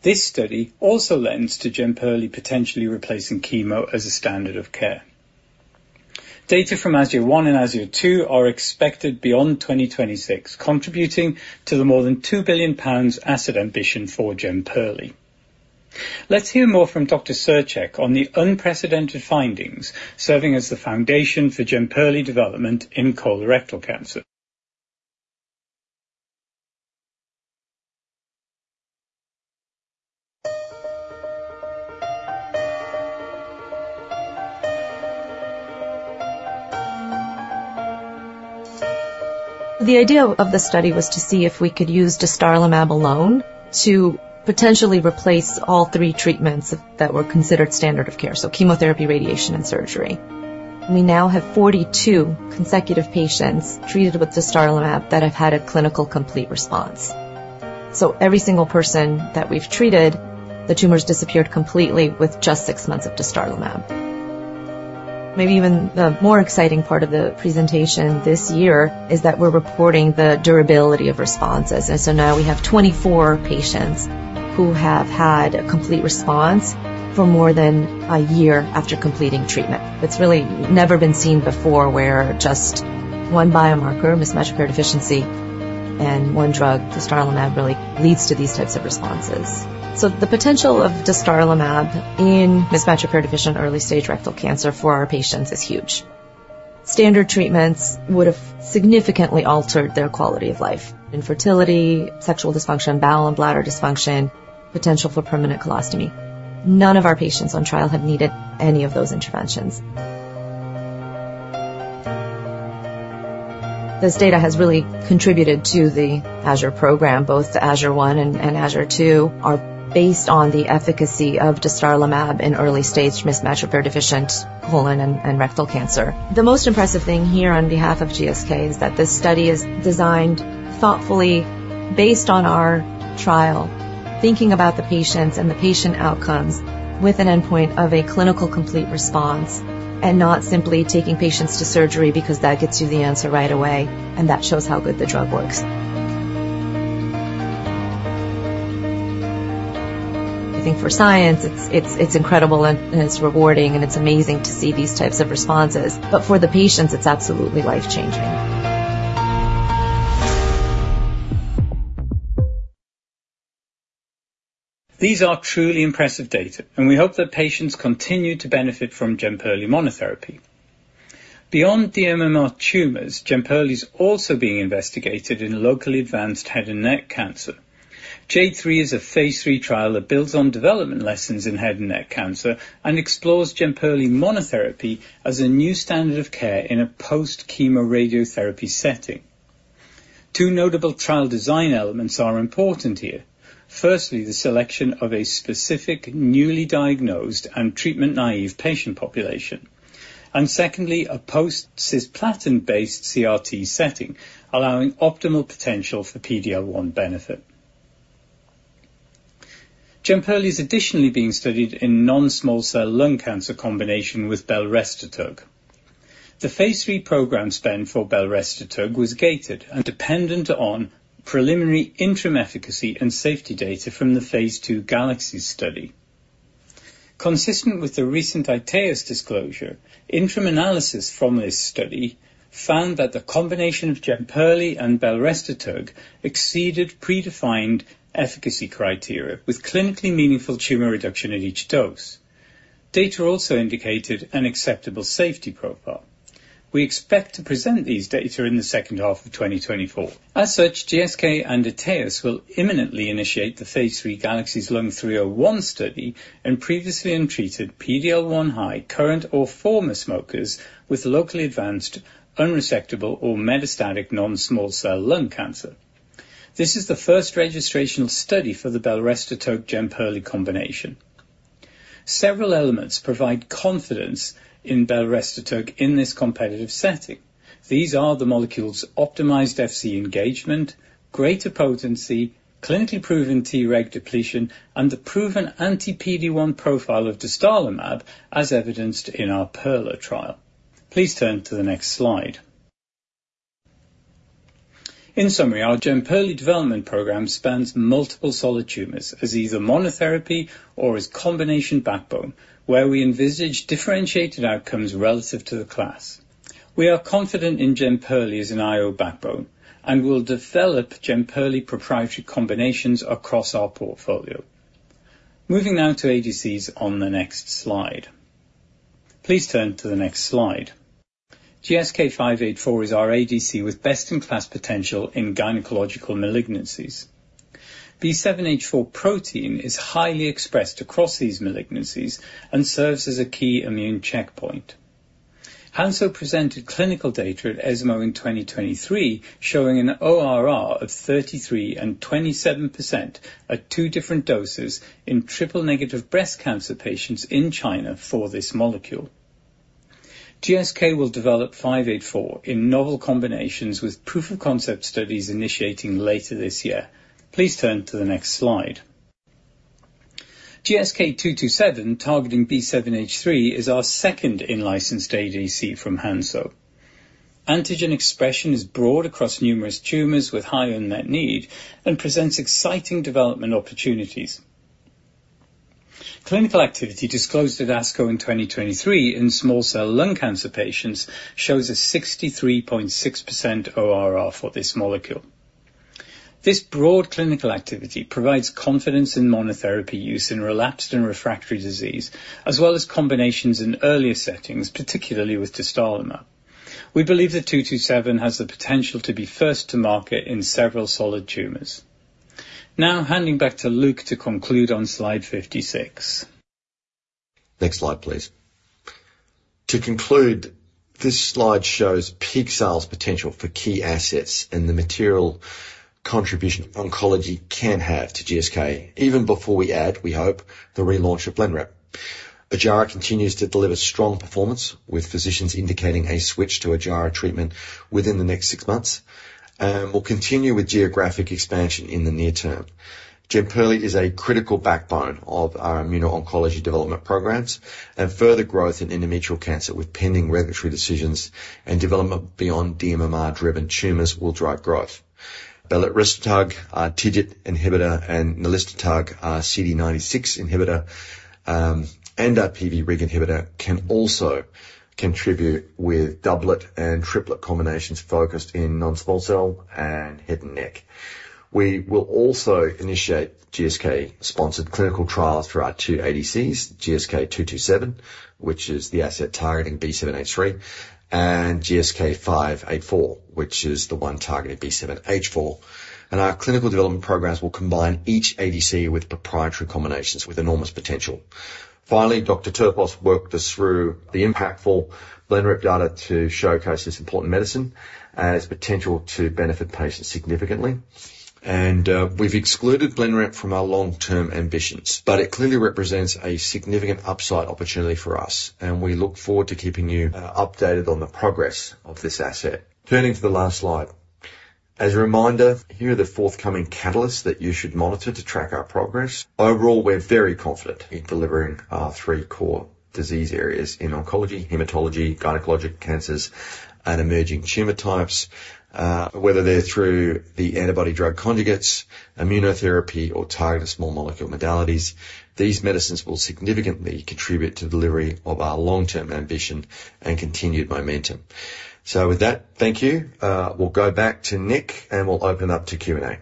This study also lends to Jemperli potentially replacing chemo as a standard of care. Data from AZUR 1 and AZUR 2 are expected beyond 2026, contributing to the more than 2 billion pounds asset ambition for Jemperli. Let's hear more from Dr. Cercek on the unprecedented findings, serving as the foundation for Jemperli development in colorectal cancer. The idea of the study was to see if we could use dostarlimab alone to potentially replace all three treatments that were considered standard of care, so chemotherapy, radiation, and surgery. We now have 42 consecutive patients treated with dostarlimab that have had a clinical complete response. So every single person that we've treated, the tumors disappeared completely with just six months of dostarlimab. Maybe even the more exciting part of the presentation this year is that we're reporting the durability of responses. And so now we have 24 patients who have had a complete response for more than a year after completing treatment. It's really never been seen before, where just one biomarker, mismatch repair deficiency, and one drug, dostarlimab, really leads to these types of responses. So the potential of dostarlimab in mismatch repair deficient early stage rectal cancer for our patients is huge. Standard treatments would have significantly altered their quality of life: infertility, sexual dysfunction, bowel and bladder dysfunction, potential for permanent colostomy. None of our patients on trial have needed any of those interventions. This data has really contributed to the AZUR program. Both the AZUR-1 and AZUR-2 are based on the efficacy of dostarlimab in early-stage mismatch repair-deficient colon and rectal cancer. The most impressive thing here on behalf of GSK is that this study is designed thoughtfully based on our trial, thinking about the patients and the patient outcomes with an endpoint of a clinical complete response, and not simply taking patients to surgery because that gets you the answer right away, and that shows how good the drug works. I think for science, it's incredible and it's rewarding, and it's amazing to see these types of responses, but for the patients, it's absolutely life-changing. These are truly impressive data, and we hope that patients continue to benefit from Jemperli monotherapy. Beyond dMMR tumors, Jemperli is also being investigated in locally advanced head and neck cancer. J three is a phase III trial that builds on development lessons in head and neck cancer, and explores Jemperli monotherapy as a new standard of care in a post-chemoradiotherapy setting. Two notable trial design elements are important here. Firstly, the selection of a specific, newly diagnosed and treatment-naive patient population, and secondly, a post-cisplatin-based CRT setting, allowing optimal potential for PD-L1 benefit. Jemperli is additionally being studied in non-small cell lung cancer combination with Belrestatug. The phase III program span for Belrestatug was gated and dependent on preliminary interim efficacy and safety data from the phase II GALAXIES study. Consistent with the recent iTeos disclosure, interim analysis from this study found that the combination of Jemperli and belrestatug exceeded predefined efficacy criteria with clinically meaningful tumor reduction at each dose. Data also indicated an acceptable safety profile. We expect to present these data in the second half of 2024. As such, GSK and iTeos will imminently initiate the phase III GALAXIES Lung 301 study in previously untreated PD-L1 high current or former smokers with locally advanced, unresectable or metastatic non-small cell lung cancer. This is the first registrational study for the belrestatug/Jemperli combination. Several elements provide confidence in belrestatug in this competitive setting. These are the molecule's optimized Fc engagement, greater potency, clinically proven T-reg depletion, and the proven anti-PD-1 profile of dostarlimab, as evidenced in our PERLA trial. Please turn to the next slide. In summary, our Jemperli development program spans multiple solid tumors as either monotherapy or as combination backbone, where we envisage differentiated outcomes relative to the class. We are confident in Jemperli as an IO backbone, and we'll develop Jemperli proprietary combinations across our portfolio. Moving now to ADCs on the next slide. Please turn to the next slide. GSK584 is our ADC with best-in-class potential in gynecological malignancies. B7-H4 protein is highly expressed across these malignancies and serves as a key immune checkpoint. Hanso presented clinical data at ESMO in 2023, showing an ORR of 33% and 27% at two different doses in triple-negative breast cancer patients in China for this molecule. GSK will develop 584 in novel combinations with proof of concept studies initiating later this year. Please turn to the next slide. GSK 227, targeting B7-H3, is our second in-licensed ADC from Hansoh. Antigen expression is broad across numerous tumors with high unmet need and presents exciting development opportunities. Clinical activity disclosed at ASCO in 2023 in small cell lung cancer patients shows a 63.6% ORR for this molecule. This broad clinical activity provides confidence in monotherapy use in relapsed and refractory disease, as well as combinations in earlier settings, particularly with dostarlimab. We believe that 227 has the potential to be first to market in several solid tumors. Now, handing back to Luke to conclude on slide 56. Next slide, please. To conclude, this slide shows peak sales potential for key assets and the material contribution oncology can have to GSK even before we add, we hope, the relaunch of Blenrep. Ojjaara continues to deliver strong performance, with physicians indicating a switch to Ojjaara treatment within the next six months, and we'll continue with geographic expansion in the near term. Jemperli is a critical backbone of our immuno-oncology development programs and further growth in endometrial cancer, with pending regulatory decisions and development beyond dMMR-driven tumors will drive growth. Belrestatug, our TIGIT inhibitor, and nilistatug, our CD96 inhibitor, and our PVRIG inhibitor can also contribute with doublet and triplet combinations focused in non-small cell and head and neck. We will also initiate GSK-sponsored clinical trials for our two ADCs, GSK 227, which is the asset targeting B7-H3, and GSK 584, which is the one targeting B7-H4. Our clinical development programs will combine each ADC with proprietary combinations with enormous potential. Finally, Dr. Terpos walked us through the impactful Blenrep data to showcase this important medicine and its potential to benefit patients significantly. And, we've excluded Blenrep from our long-term ambitions, but it clearly represents a significant upside opportunity for us, and we look forward to keeping you, updated on the progress of this asset. Turning to the last slide. As a reminder, here are the forthcoming catalysts that you should monitor to track our progress. Overall, we're very confident in delivering our three core disease areas in oncology, hematology, gynecologic cancers, and emerging tumor types, whether they're through the antibody-drug conjugates, immunotherapy, or targeted small molecule modalities. These medicines will significantly contribute to the delivery of our long-term ambition and continued momentum. So with that, thank you. We'll go back to Nick, and we'll open up to Q&A.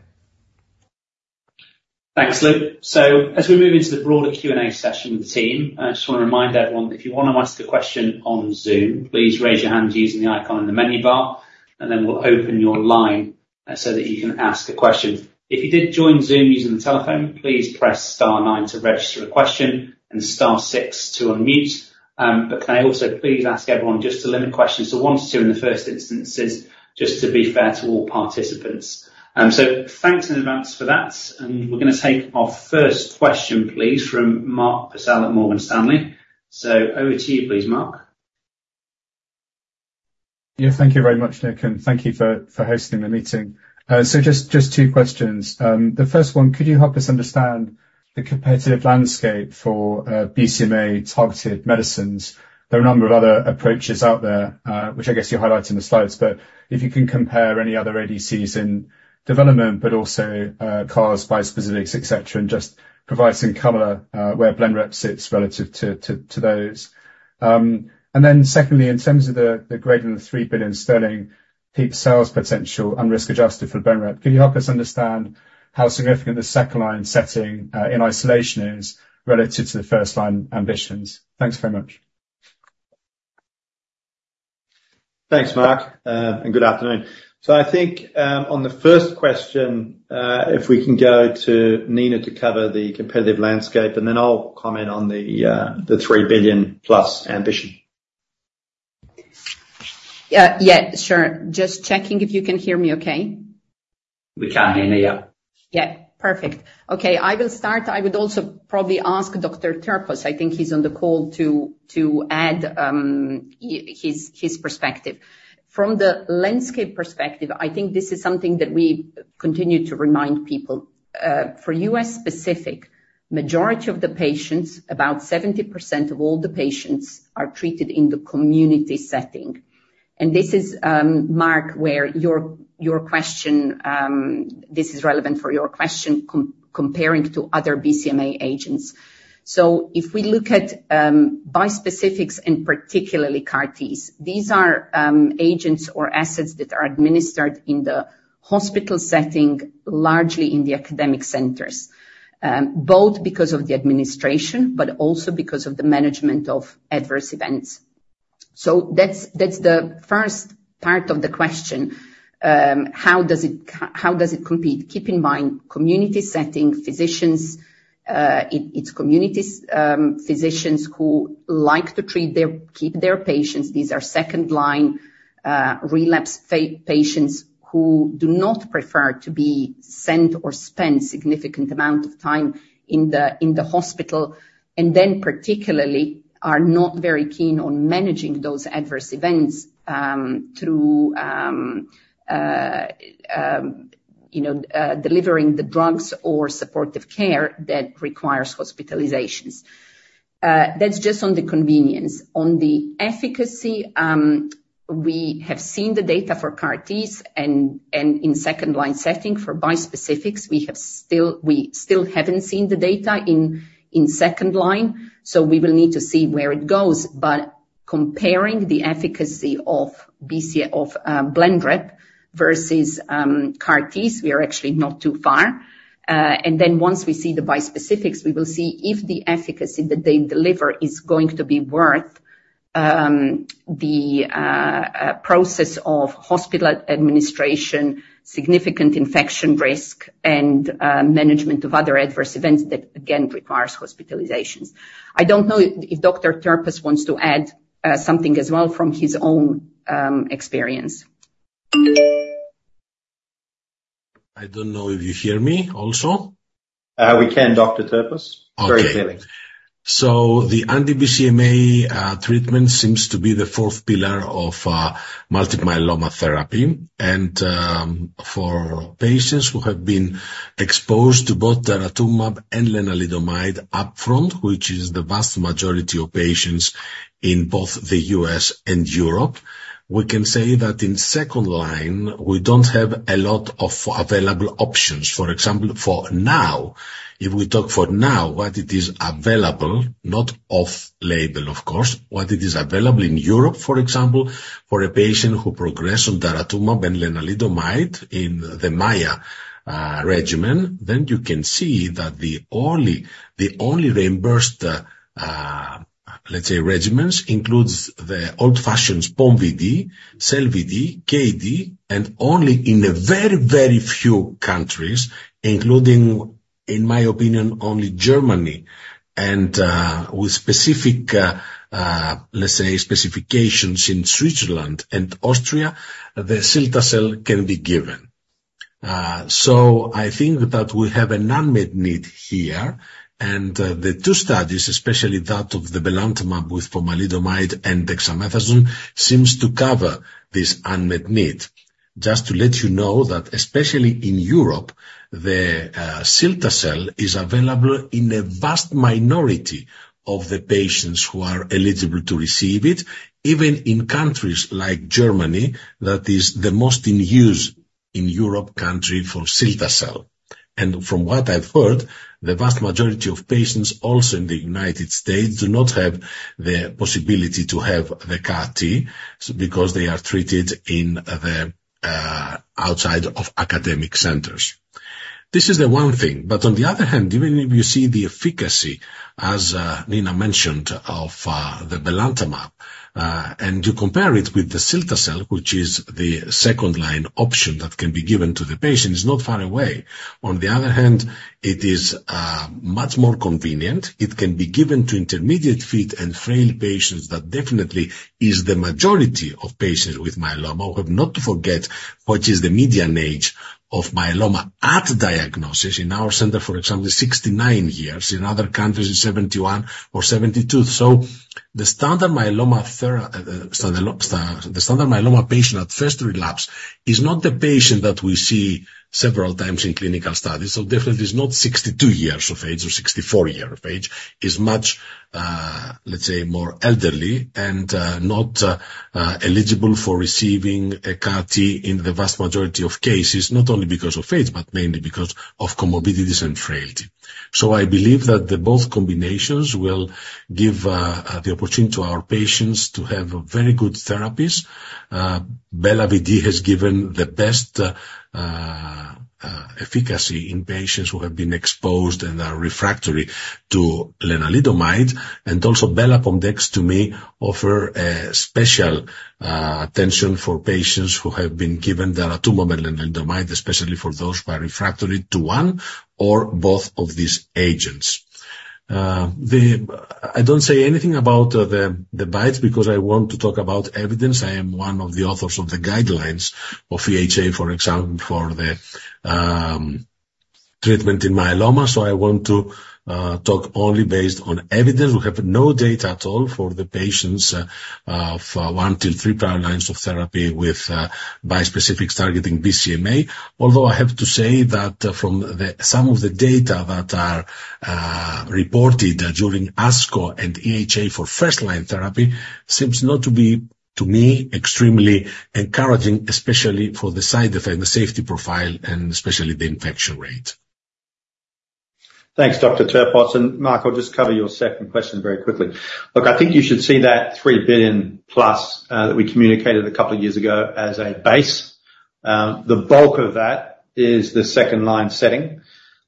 Thanks, Luke. So as we move into the broader Q&A session with the team, I just want to remind everyone, if you wanna ask a question on Zoom, please raise your hand using the icon in the menu bar, and then we'll open your line, so that you can ask a question. If you did join Zoom using the telephone, please press star nine to register a question and star six to unmute. But can I also please ask everyone just to limit questions to one to two in the first instances, just to be fair to all participants? So thanks in advance for that, and we're gonna take our first question, please, from Mark Purcell at Morgan Stanley. So over to you, please, Mark. Yeah, thank you very much, Nick, and thank you for hosting the meeting. So just two questions. The first one, could you help us understand the competitive landscape for BCMA-targeted medicines? There are a number of other approaches out there, which I guess you highlight in the slides, but if you can compare any other ADCs in development, but also CARs, bispecifics, et cetera, and just provide some color where Blenrep sits relative to those. And then secondly, in terms of the greater than 3 billion sterling peak sales potential and risk-adjusted for Blenrep, can you help us understand how significant the second line setting in isolation is related to the first line ambitions? Thanks very much. Thanks, Mark, and good afternoon. So I think, on the first question, if we can go to Nina to cover the competitive landscape, and then I'll comment on the three billion plus ambition. Yeah, sure. Just checking if you can hear me okay? We can, Nina. Yeah. Yeah. Perfect. Okay, I will start. I would also probably ask Dr. Terpos, I think he's on the call, to add his perspective. From the landscape perspective, I think this is something that we continue to remind people. For U.S. specific, majority of the patients, about 70% of all the patients, are treated in the community setting. And this is, Mark, where your question is relevant comparing to other BCMA agents. So if we look at bispecifics, and particularly CAR Ts, these are agents or assets that are administered in the hospital setting, largely in the academic centers, both because of the administration, but also because of the management of adverse events. So that's the first part of the question. How does it compete? Keep in mind, community setting, physicians, it's communities, physicians who like to treat their, keep their patients. These are second line, relapse patients who do not prefer to be sent or spend significant amount of time in the, in the hospital, and then particularly are not very keen on managing those adverse events, through, you know, delivering the drugs or supportive care that requires hospitalizations. That's just on the convenience. On the efficacy, we have seen the data for CAR Ts and in second-line setting. For bispecifics, we have still—we still haven't seen the data in second line, so we will need to see where it goes. But comparing the efficacy of Blenrep versus CAR Ts, we are actually not too far. And then once we see the bispecifics, we will see if the efficacy that they deliver is going to be worth the process of hospital administration, significant infection risk, and management of other adverse events that, again, requires hospitalizations. I don't know if Dr. Terpos wants to add something as well from his own experience. I don't know if you hear me also. We can, Dr. Terpos. Okay. Very clearly. So the anti-BCMA treatment seems to be the fourth pillar of multiple myeloma therapy. For patients who have been exposed to both daratumumab and lenalidomide upfront, which is the vast majority of patients in both the U.S. and Europe, we can say that in second line, we don't have a lot of available options. For example, for now, if we talk for now, what it is available, not off-label, of course, what it is available in Europe, for example, for a patient who progressed on daratumumab and lenalidomide in the MAIA regimen, then you can see that the only, the only reimbursed, let's say, regimens, includes the old-fashioned pom VD, Sel-Vd, KD, and only in a very, very few countries, including, in my opinion, only Germany and, with specific, let's say, specifications in Switzerland and Austria, the cilta-cel can be given. So I think that we have an unmet need here, and the two studies, especially that of the belantamab with pomalidomide and dexamethasone, seems to cover this unmet need. Just to let you know that, especially in Europe, the cilta-cel is available in a vast minority of the patients who are eligible to receive it, even in countries like Germany, that is the most in use in Europe country for cilta-cel. And from what I've heard, the vast majority of patients also in the United States do not have the possibility to have the CAR T, because they are treated in the outside of academic centers. This is the one thing, but on the other hand, even if you see the efficacy, as Nina mentioned, of the belantamab and you compare it with the cilta-cel, which is the second line option that can be given to the patient, it's not far away. On the other hand, it is much more convenient. It can be given to intermediate fit and frail patients. That definitely is the majority of patients with myeloma. We have not to forget what is the median age of myeloma at diagnosis. In our center, for example, 69 years. In other countries, it's 71 or 72. So the standard myeloma patient at first relapse is not the patient that we see several times in clinical studies. So definitely is not 62 years of age or 64 years of age, is much, let's say, more elderly and, not eligible for receiving a CAR T in the vast majority of cases, not only because of age, but mainly because of comorbidities and frailty. So I believe that the both combinations will give the opportunity to our patients to have very good therapies. Bela-Vd has given the best efficacy in patients who have been exposed and are refractory to Lenalidomide, and also Bela-pom-dex, to me, offer a special attention for patients who have been given their tumor Lenalidomide, especially for those who are refractory to one or both of these agents. I don't say anything about the BiTE, because I want to talk about evidence. I am one of the authors of the guidelines of EHA, for example, for the treatment in myeloma, so I want to talk only based on evidence. We have no data at all for the patients of one to three prior lines of therapy with bispecific targeting BCMA. Although I have to say that, from the some of the data that are reported during ASCO and EHA for first line therapy, seems not to be, to me, extremely encouraging, especially for the side effect and the safety profile, and especially the infection rate. Thanks, Dr. Terpos. And Mark, I'll just cover your second question very quickly. Look, I think you should see that 3 billion plus that we communicated a couple of years ago as a base. The bulk of that is the second line setting,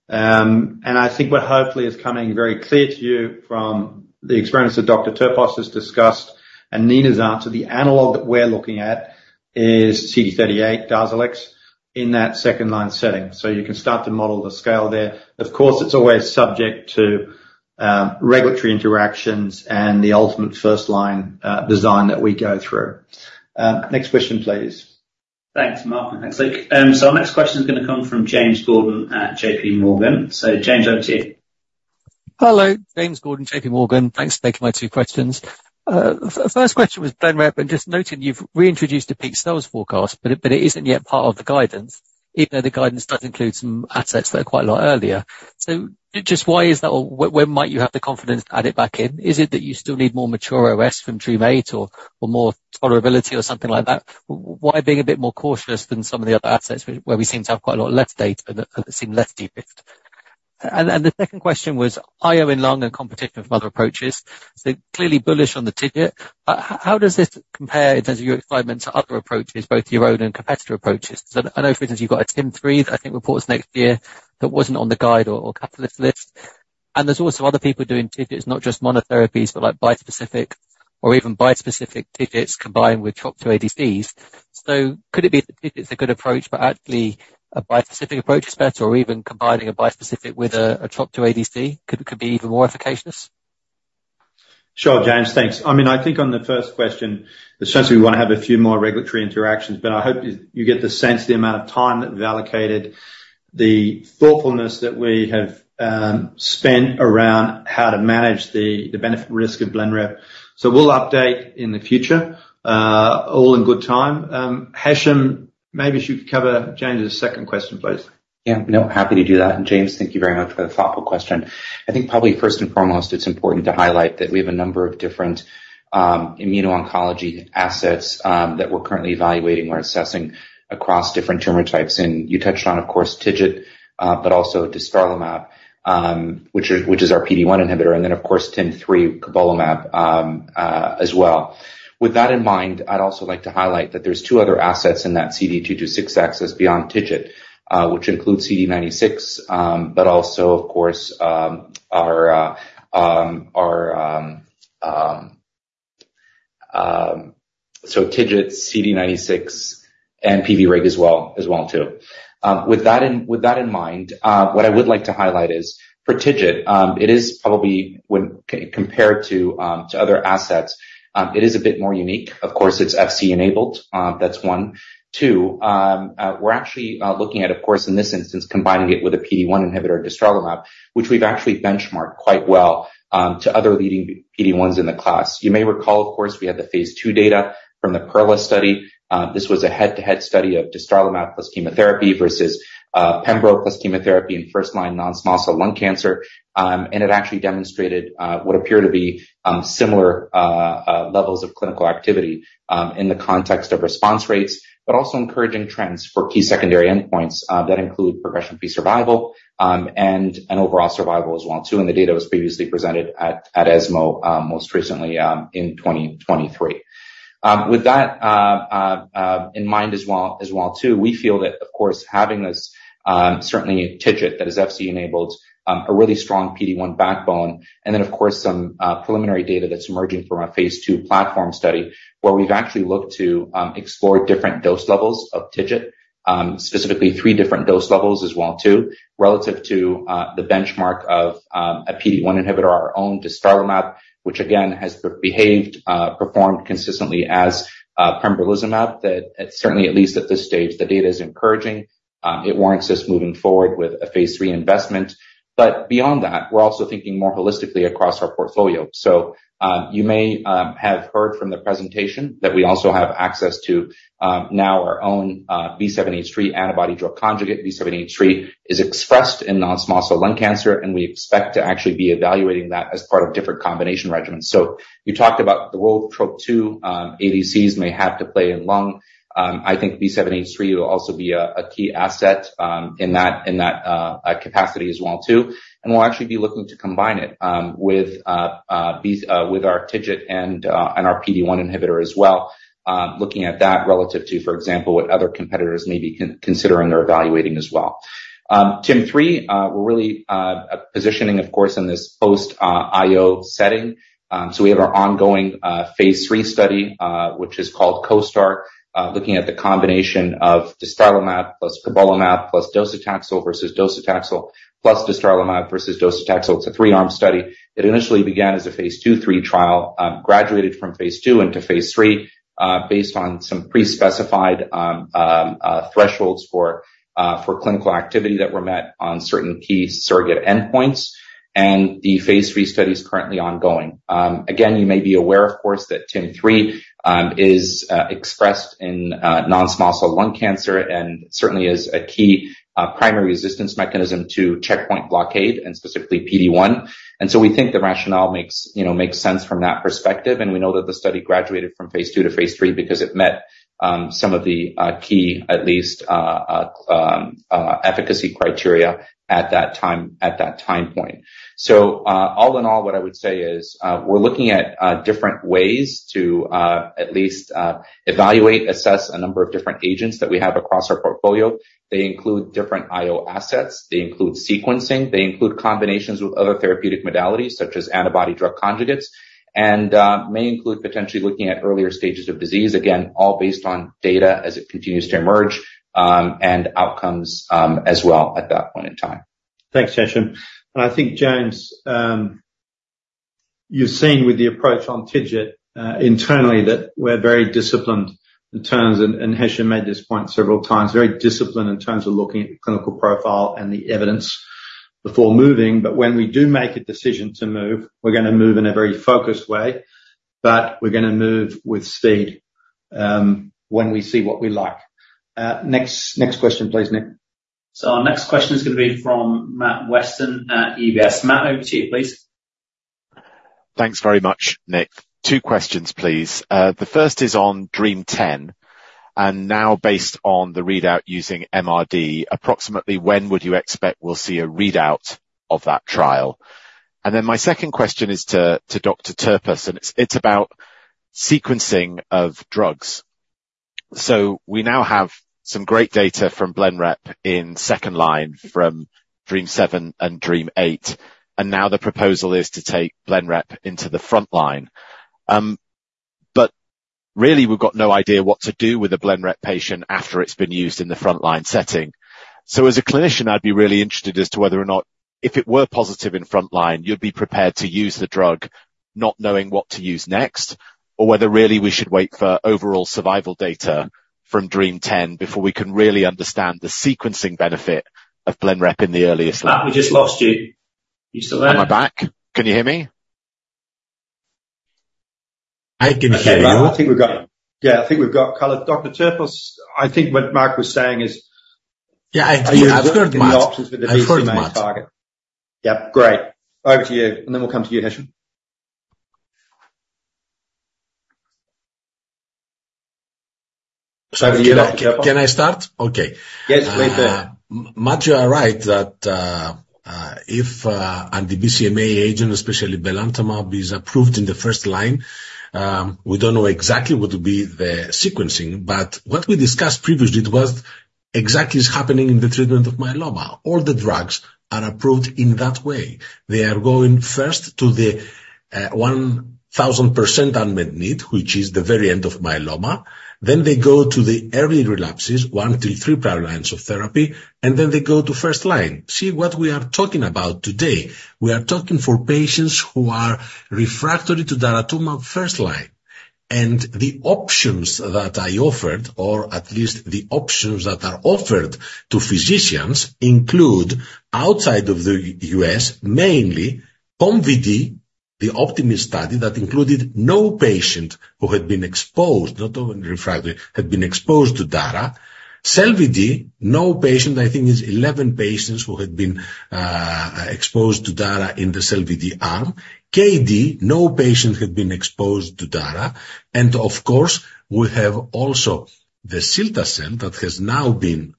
and I think what hopefully is coming very clear to you from the experience that Dr. Terpos has discussed and Nina's answer, the analog that we're looking at is CD38, Darzalex, in that second line setting. So you can start to model the scale there. Of course, it's always subject to regulatory interactions and the ultimate first line design that we go through. Next question, please. Thanks, Mark. Thanks. Our next question is going to come from James Gordon at JPMorgan. James, over to you. Hello, James Gordon, JPMorgan. Thanks for taking my two questions. First question was Blenrep, and just noting you've reintroduced the peak sales forecast, but it isn't yet part of the guidance, even though the guidance does include some assets that are quite a lot earlier. So just why is that? Or when might you have the confidence to add it back in? Is it that you still need more mature OS from DREAMM-8 or more tolerability or something like that? Why being a bit more cautious than some of the other assets, where we seem to have quite a lot less data, but that seem less deepest? The second question was, IO in lung and competition from other approaches, so clearly bullish on TIGIT, but how does this compare in terms of your excitement to other approaches, both your own and competitor approaches? So I know, for instance, you've got a TIM-3, I think, reports next year, that wasn't on the guide or catalyst list. And there's also other people doing TIGITs, not just monotherapies, but like bispecific or even bispecific TIGITs combined with Trop-2 ADCs. So could it be that TIGIT's a good approach, but actually a bispecific approach is better, or even combining a bispecific with a Trop-2 ADC, could be even more efficacious? Sure, James, thanks. I mean, I think on the first question, essentially, we want to have a few more regulatory interactions, but I hope you, you get the sense, the amount of time that we've allocated, the thoughtfulness that we have spent around how to manage the, the benefit, risk of Blenrep. So we'll update in the future, all in good time. Hesham, maybe you could cover James' second question, please. Yeah, no, happy to do that. And James, thank you very much for the thoughtful question. I think probably first and foremost, it's important to highlight that we have a number of different immuno-oncology assets that we're currently evaluating or assessing across different tumor types. And you touched on, of course, TIGIT, but also dostarlimab, which is, which is our PD-1 inhibitor, and then, of course, TIM-3 cobolimab, as well. With that in mind, I'd also like to highlight that there's two other assets in that CD226 axis beyond TIGIT, which includes CD96, but also, of course,... So TIGIT, CD96, and PVRIG as well, as well, too. With that in mind, what I would like to highlight is for TIGIT, it is probably when compared to other assets, it is a bit more unique. Of course, it's FC enabled. That's one. Two, we're actually looking at, of course, in this instance, combining it with a PD-1 inhibitor, dostarlimab, which we've actually benchmarked quite well to other leading PD-1s in the class. You may recall, of course, we had the phase II data from the PERLA study. This was a head-to-head study of dostarlimab plus chemotherapy versus pembro plus chemotherapy in first-line non-small cell lung cancer. And it actually demonstrated what appeared to be similar levels of clinical activity in the context of response rates, but also encouraging trends for key secondary endpoints that include progression-free survival and an overall survival as well, too, and the data was previously presented at ESMO most recently in 2023. With that in mind as well too, we feel that, of course, having this certainly TIGIT that is FC enabled, a really strong PD-1 backbone, and then, of course, some preliminary data that's emerging from our phase II platform study, where we've actually looked to explore different dose levels of TIGIT, specifically three different dose levels as well too, relative to the benchmark of a PD-1 inhibitor, our own dostarlimab, which again has behaved performed consistently as pembrolizumab, that at certainly at least at this stage the data is encouraging. It warrants us moving forward with a phase III investment. But beyond that, we're also thinking more holistically across our portfolio. So, you may have heard from the presentation that we also have access to now our own B7-H3 antibody drug conjugate. B7-H3 is expressed in non-small cell lung cancer, and we expect to actually be evaluating that as part of different combination regimens. So you talked about the role of TROP-2 ADCs may have to play in lung. I think B7-H3 will also be a key asset in that capacity as well, too. And we'll actually be looking to combine it with our TIGIT and our PD-1 inhibitor as well. Looking at that relative to, for example, what other competitors may be considering or evaluating as well. TIM-3, we're really positioning, of course, in this post-IO setting. So we have our ongoing phase III study, which is called COSTAR, looking at the combination of dostarlimab plus cobolimab plus docetaxel versus docetaxel plus dostarlimab versus docetaxel. It's a 3-arm study. It initially began as a phase II/III trial, graduated from phase II into phase III, based on some pre-specified thresholds for clinical activity that were met on certain key surrogate endpoints, and the phase III study is currently ongoing. Again, you may be aware, of course, that TIM-3 is expressed in non-small cell lung cancer and certainly is a key primary resistance mechanism to checkpoint blockade and specifically PD-1. We think the rationale makes, you know, makes sense from that perspective, and we know that the study graduated from phase II to phase III because it met some of the key, at least, efficacy criteria at that time, at that time point. All in all, what I would say is, we're looking at different ways to at least evaluate, assess a number of different agents that we have across our portfolio. They include different IO assets. They include sequencing. They include combinations with other therapeutic modalities, such as antibody-drug conjugates, and may include potentially looking at earlier stages of disease. Again, all based on data as it continues to emerge, and outcomes, as well, at that point in time. Thanks, Hesham. And I think, James, you've seen with the approach on TIGIT, internally, that we're very disciplined in terms... and, and Hesham made this point several times, very disciplined in terms of looking at the clinical profile and the evidence before moving, but when we do make a decision to move, we're gonna move in a very focused way, but we're gonna move with speed, when we see what we like. Next, next question, please, Nick. Our next question is gonna be from Matt Weston at UBS. Matt, over to you, please. Thanks very much, Nick. Two questions, please. The first is on DREAMM-10, and now, based on the readout using MRD, approximately when would you expect we'll see a readout of that trial? And then my second question is to Dr. Terpos, and it's about sequencing of drugs. So we now have some great data from Blenrep in second line from DREAMM-7 and DREAMM-8, and now the proposal is to take Blenrep into the front line. But really, we've got no idea what to do with a Blenrep patient after it's been used in the front-line setting. So as a clinician, I'd be really interested as to whether or not, if it were positive in front line, you'd be prepared to use the drug, not knowing what to use next, or whether really we should wait for overall survival data from DREAMM-10 before we can really understand the sequencing benefit of Blenrep in the earliest line? Matt, we just lost you. You still there? Am I back? Can you hear me? I can hear you. I think we've got... Yeah, I think we've got color. Dr. Terpos, I think what Matt was saying is- Yeah, I heard Matt. The options for the BCMA target. Yep. Great. Over to you, and then we'll come to you, Hesham. Over to you, Dr. Terpos. Can I, can I start? Okay. Yes, please do. Matt, you are right that if and the BCMA agent, especially belantamab, is approved in the first line, we don't know exactly what would be the sequencing, but what we discussed previously, exactly is happening in the treatment of myeloma. All the drugs are approved in that way. They are going first to the 1,000% unmet need, which is the very end of myeloma. Then they go to the early relapses, one to three prior lines of therapy, and then they go to first line. See what we are talking about today, we are talking for patients who are refractory to daratumumab first line, and the options that I offered, or at least the options that are offered to physicians, include, outside of the U.S., mainly POMVYD, the OPTIMIST study that included no patient who had been exposed, not only refractory, had been exposed to dara. CELVD, no patient, I think it's 11 patients who had been exposed to dara in the CELVD arm. KD, no patient had been exposed to Dara. And of course, we have also the cilta-cel that has now been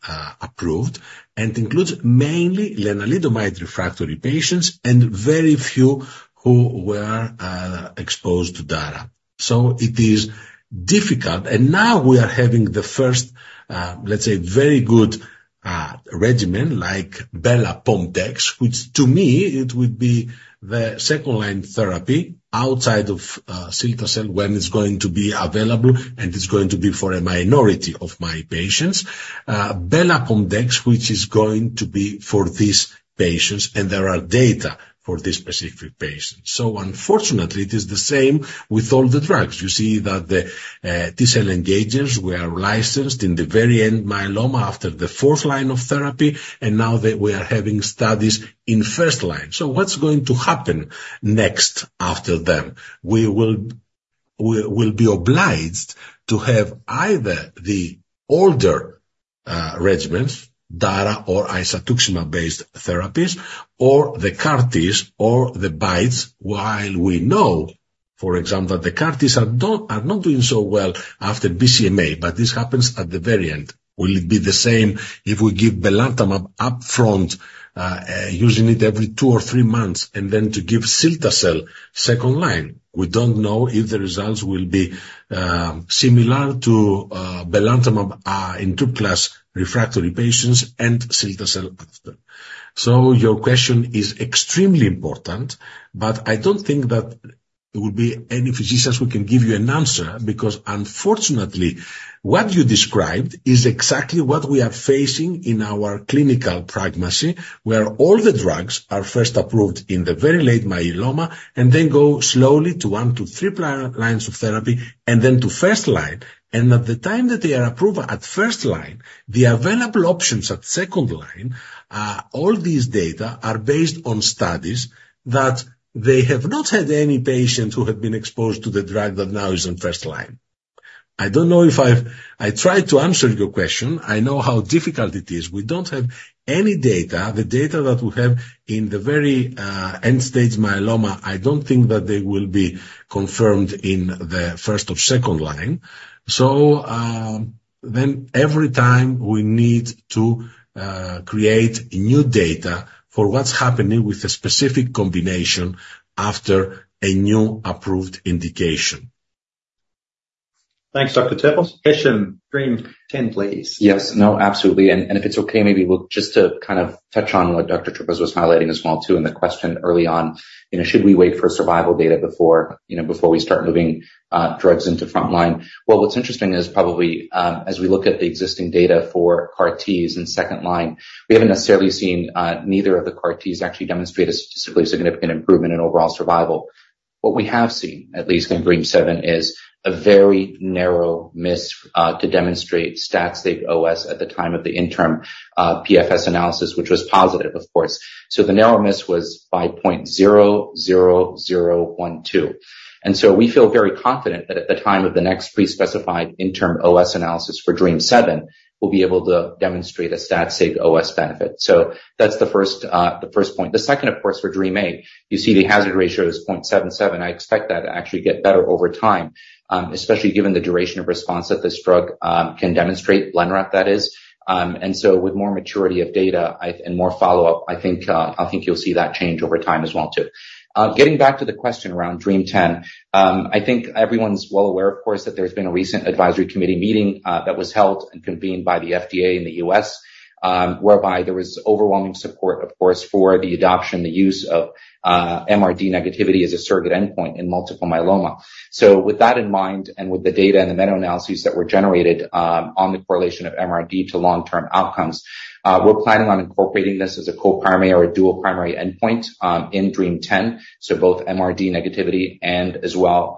approved and includes mainly lenalidomide refractory patients and very few who were exposed to dara. So it is difficult. And now we are having the first, let's say, very good regimen, like Bela-Pom-Dex, which to me it would be the second-line therapy outside of cilta-cel, when it's going to be available, and it's going to be for a minority of my patients. Bela-Pom-Dex, which is going to be for these patients, and there are data for this specific patient. So unfortunately, it is the same with all the drugs. You see that the T-cell engagers were licensed in the very end, myeloma, after the fourth line of therapy, and now they, we are having studies in first line. So what's going to happen next after them? We will, we will be obliged to have either the older, regimens, dara or isatuximab-based therapies, or the CAR Ts or the bites, while we know, for example, that the CAR Ts are not, are not doing so well after BCMA, but this happens at the very end. Will it be the same if we give belantamab upfront, using it every two or three months, and then to give cilta-cel second line? We don't know if the results will be, similar to, belantamab, in two plus refractory patients and cilta-cel after. So your question is extremely important, but I don't think that there will be any physicians who can give you an answer, because unfortunately, what you described is exactly what we are facing in our clinical practice, where all the drugs are first approved in the very late myeloma and then go slowly to one to three prior lines of therapy and then to first line. And at the time that they are approved at first line, the available options at second line, all these data are based on studies that they have not had any patients who have been exposed to the drug that now is in first line. I don't know if I've... I tried to answer your question. I know how difficult it is. We don't have any data. The data that we have in the very end stage myeloma, I don't think that they will be confirmed in the first or second line. So, then every time we need to create new data for what's happening with a specific combination after a new approved indication. Thanks, Dr. Terpos. Hesham, DREAMM-10, please. Yes, no, absolutely. And if it's okay, maybe we'll just to kind of touch on what Dr. Terpos was highlighting as well, too, in the question early on, you know, should we wait for survival data before, you know, before we start moving drugs into frontline? Well, what's interesting is probably, as we look at the existing data for CAR-Ts in second line, we haven't necessarily seen neither of the CAR-Ts actually demonstrate a statistically significant improvement in overall survival. What we have seen, at least in DREAMM-7, is a very narrow miss to demonstrate stat sig OS at the time of the interim PFS analysis, which was positive, of course. So the narrow miss was by 0.00012. And so we feel very confident that at the time of the next pre-specified interim OS analysis for DREAMM-7, we'll be able to demonstrate a statistically significant OS benefit. So that's the first point. The second, of course, for DREAMM-8, you see the hazard ratio is 0.77. I expect that to actually get better over time, especially given the duration of response that this drug can demonstrate, lenalidomide, that is. And so with more maturity of data and more follow-up, I think you'll see that change over time as well, too. Getting back to the question around DREAMM-10, I think everyone's well aware, of course, that there's been a recent advisory committee meeting that was held and convened by the FDA in the U.S., whereby there was overwhelming support, of course, for the adoption, the use of, MRD negativity as a surrogate endpoint in multiple myeloma. So with that in mind, and with the data and the meta-analysis that were generated, on the correlation of MRD to long-term outcomes, we're planning on incorporating this as a co-primary or a dual primary endpoint, in DREAMM-10, so both MRD negativity and as well,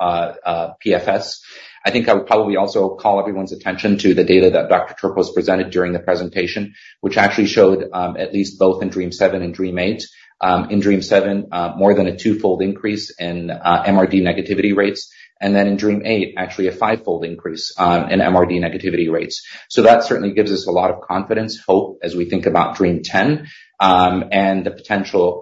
PFS. I think I would probably also call everyone's attention to the data that Dr. Terpos presented during the presentation, which actually showed, at least both in DREAMM-7 and DREAMM-8. In DREAMM-7, more than a twofold increase in MRD negativity rates, and then in DREAMM-8, actually a fivefold increase in MRD negativity rates. So that certainly gives us a lot of confidence, hope, as we think about DREAMM-10 and the potential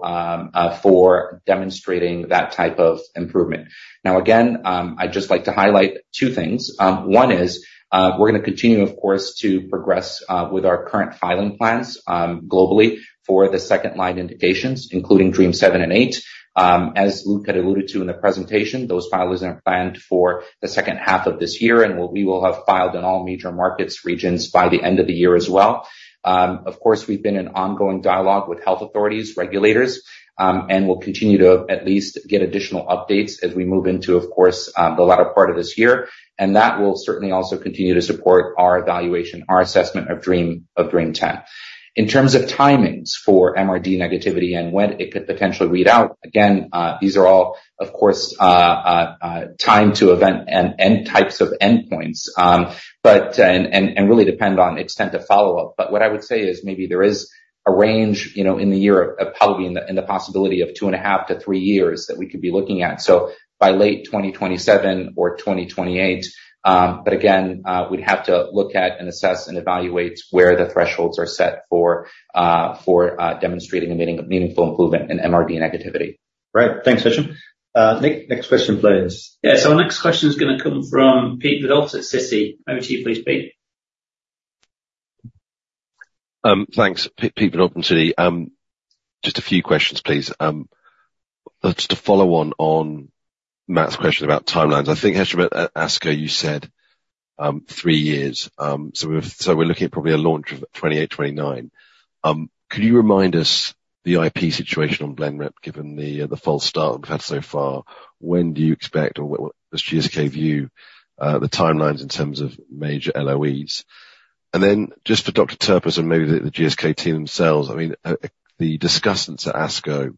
for demonstrating that type of improvement. Now, again, I'd just like to highlight two things. One is, we're gonna continue, of course, to progress with our current filing plans globally for the second-line indications, including DREAMM-7 and 8. As Luke had alluded to in the presentation, those filings are planned for the second half of this year, and we will have filed in all major markets, regions by the end of the year as well. Of course, we've been in ongoing dialogue with health authorities, regulators, and we'll continue to at least get additional updates as we move into, of course, the latter part of this year. And that will certainly also continue to support our evaluation, our assessment of DREAMM, of DREAMM-10. In terms of timings for MRD negativity and when it could potentially read out, again, these are all, of course, time to event and really depend on extent of follow-up. But what I would say is maybe there is a range, you know, in the year of, probably in the, in the possibility of 2.5-three years that we could be looking at. So by late 2027 or 2028, but again, we'd have to look at and assess and evaluate where the thresholds are set for demonstrating and making a meaningful improvement in MRD negativity. Right. Thanks, Hesham. Nick, next question, please. Yeah, so our next question is going to come from Peter Verdult at Citi. Over to you please, Peter. Thanks. Peter Verdult from Citi. Just a few questions, please. Just to follow on Matt's question about timelines. I think, Hesham, at ASCO, you said three years. So we're looking at probably a launch of 2028, 2029. Could you remind us the IP situation on Blenrep, given the false start we've had so far? When do you expect, or what does GSK view the timelines in terms of major LOEs? And then just for Dr. Terpos and maybe the GSK team themselves, I mean, the discussants at ASCO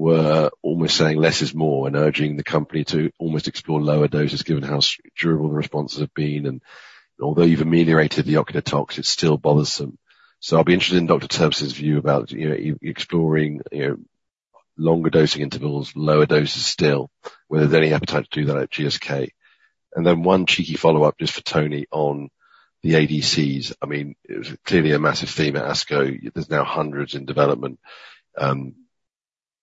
were almost saying less is more and urging the company to almost explore lower doses, given how durable the responses have been. And although you've ameliorated the ocular tox, it still bothers them. So I'll be interested in Dr. Terpos' view about, you know, exploring, you know, longer dosing intervals, lower doses still, whether there's any appetite to do that at GSK. And then one cheeky follow-up, just for Tony on the ADCs. I mean, it was clearly a massive theme at ASCO. There's now hundreds in development.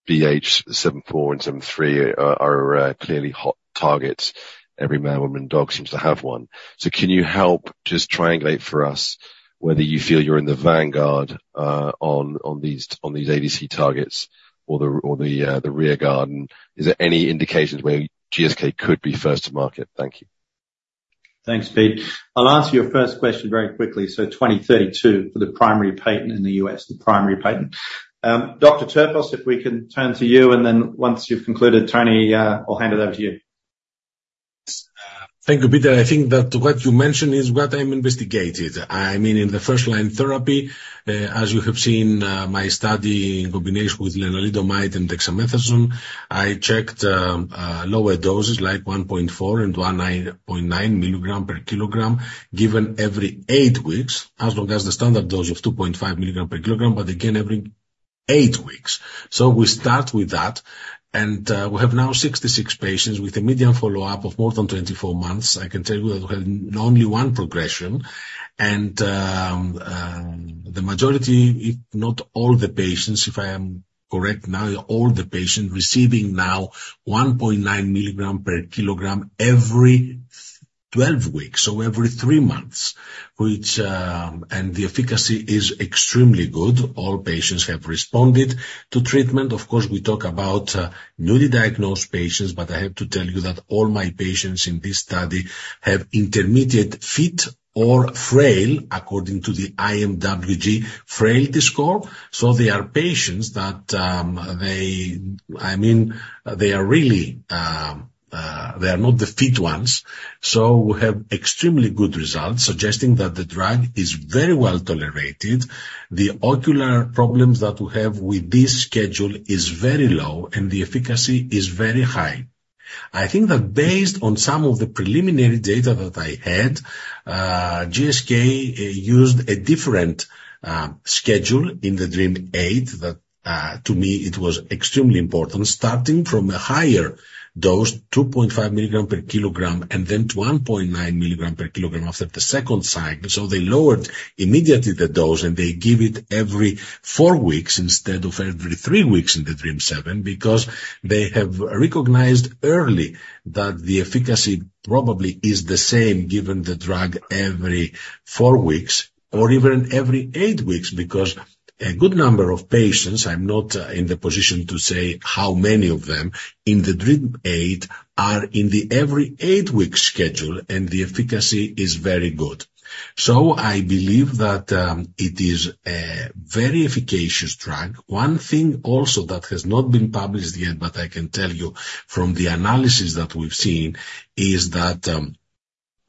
B7-H4 and B7-H3 are clearly hot targets. Every man, woman, and dog seems to have one. So can you help just triangulate for us whether you feel you're in the vanguard on these ADC targets or the rear guard? And is there any indications where GSK could be first to market? Thank you. Thanks, Pete. I'll answer your first question very quickly. 2032 for the primary patent in the U.S., the primary patent. Dr. Terpos, if we can turn to you, and then once you've concluded, Tony, I'll hand it over to you. Thank you, Peter. I think that what you mentioned is what I'm investigated. I mean, in the first-line therapy, as you have seen, my study in combination with lenalidomide and dexamethasone, I checked lower doses like 1.4 and 1.9 mg per kg, given every eight weeks, as well as the standard dose of 2.5 mg per kg, but again, every eight weeks. So we start with that, and we have now 66 patients with a median follow-up of more than 24 months. I can tell you that we had only one progression. And the majority, if not all the patients, if I am correct, now all the patients receiving now 1.9 mg per kg every 12 weeks, so every three months, which... And the efficacy is extremely good. All patients have responded to treatment. Of course, we talk about newly diagnosed patients, but I have to tell you that all my patients in this study have intermediate fit or frail, according to the IMWG Frailty Score. So they are patients that, I mean, they are really, they are not the fit ones. So we have extremely good results, suggesting that the drug is very well tolerated. The ocular problems that we have with this schedule is very low, and the efficacy is very high. I think that based on some of the preliminary data that I had, GSK used a different schedule in the DREAMM-8 that, to me, it was extremely important, starting from a higher dose, 2.5 mg/kg, and then to 1.9 mg/kg after the second cycle. So they lowered immediately the dose, and they give it every four weeks instead of every three weeks in the DREAMM-7, because they have recognized early that the efficacy probably is the same, given the drug every four weeks or even every eight weeks, because a good number of patients, I'm not in the position to say how many of them, in the DREAMM-8, are in the every eight-week schedule, and the efficacy is very good. So I believe that it is a very efficacious drug. One thing also that has not been published yet, but I can tell you from the analysis that we've seen, is that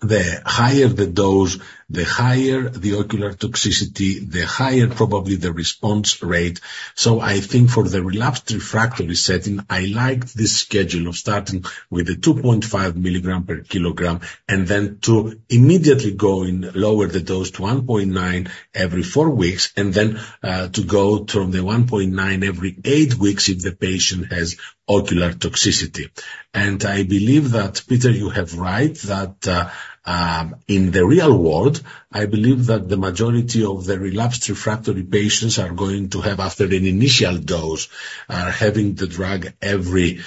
the higher the dose, the higher the ocular toxicity, the higher probably the response rate. I think for the relapsed refractory setting, I like this schedule of starting with a 2.5 milligram per kilogram, and then to immediately go and lower the dose to 1.9 every four weeks, and then to go from the 1.9 every eight weeks if the patient has ocular toxicity. I believe that, Peter, you have right, that in the real world, I believe that the majority of the relapsed refractory patients are going to have, after an initial dose, having the drug every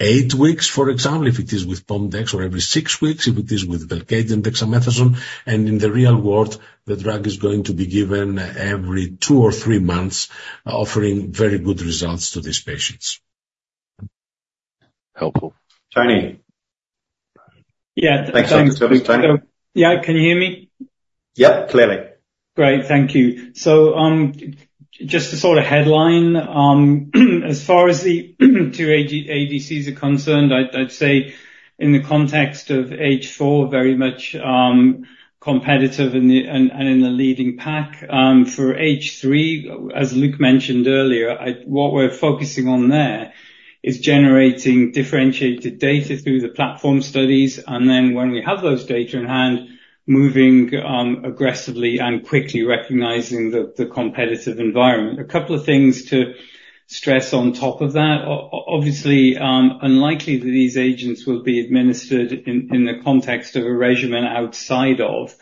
eight weeks, for example, if it is with Pomdex, or every six weeks, if it is with Velcade and Dexamethasone. In the real world, the drug is going to be given every two or three months, offering very good results to these patients. Helpful. Tony? Yeah. Thanks, Dr. Terpos. Yeah, can you hear me? Yep, clearly. Great, thank you. So, just to sort of headline, as far as the two ADCs are concerned, I'd say-... in the context of H4, very much competitive in the and in the leading pack. For H3, as Luke mentioned earlier, what we're focusing on there is generating differentiated data through the platform studies, and then when we have those data in hand, moving aggressively and quickly recognizing the competitive environment. A couple of things to stress on top of that. Obviously, unlikely that these agents will be administered in the context of a regimen outside of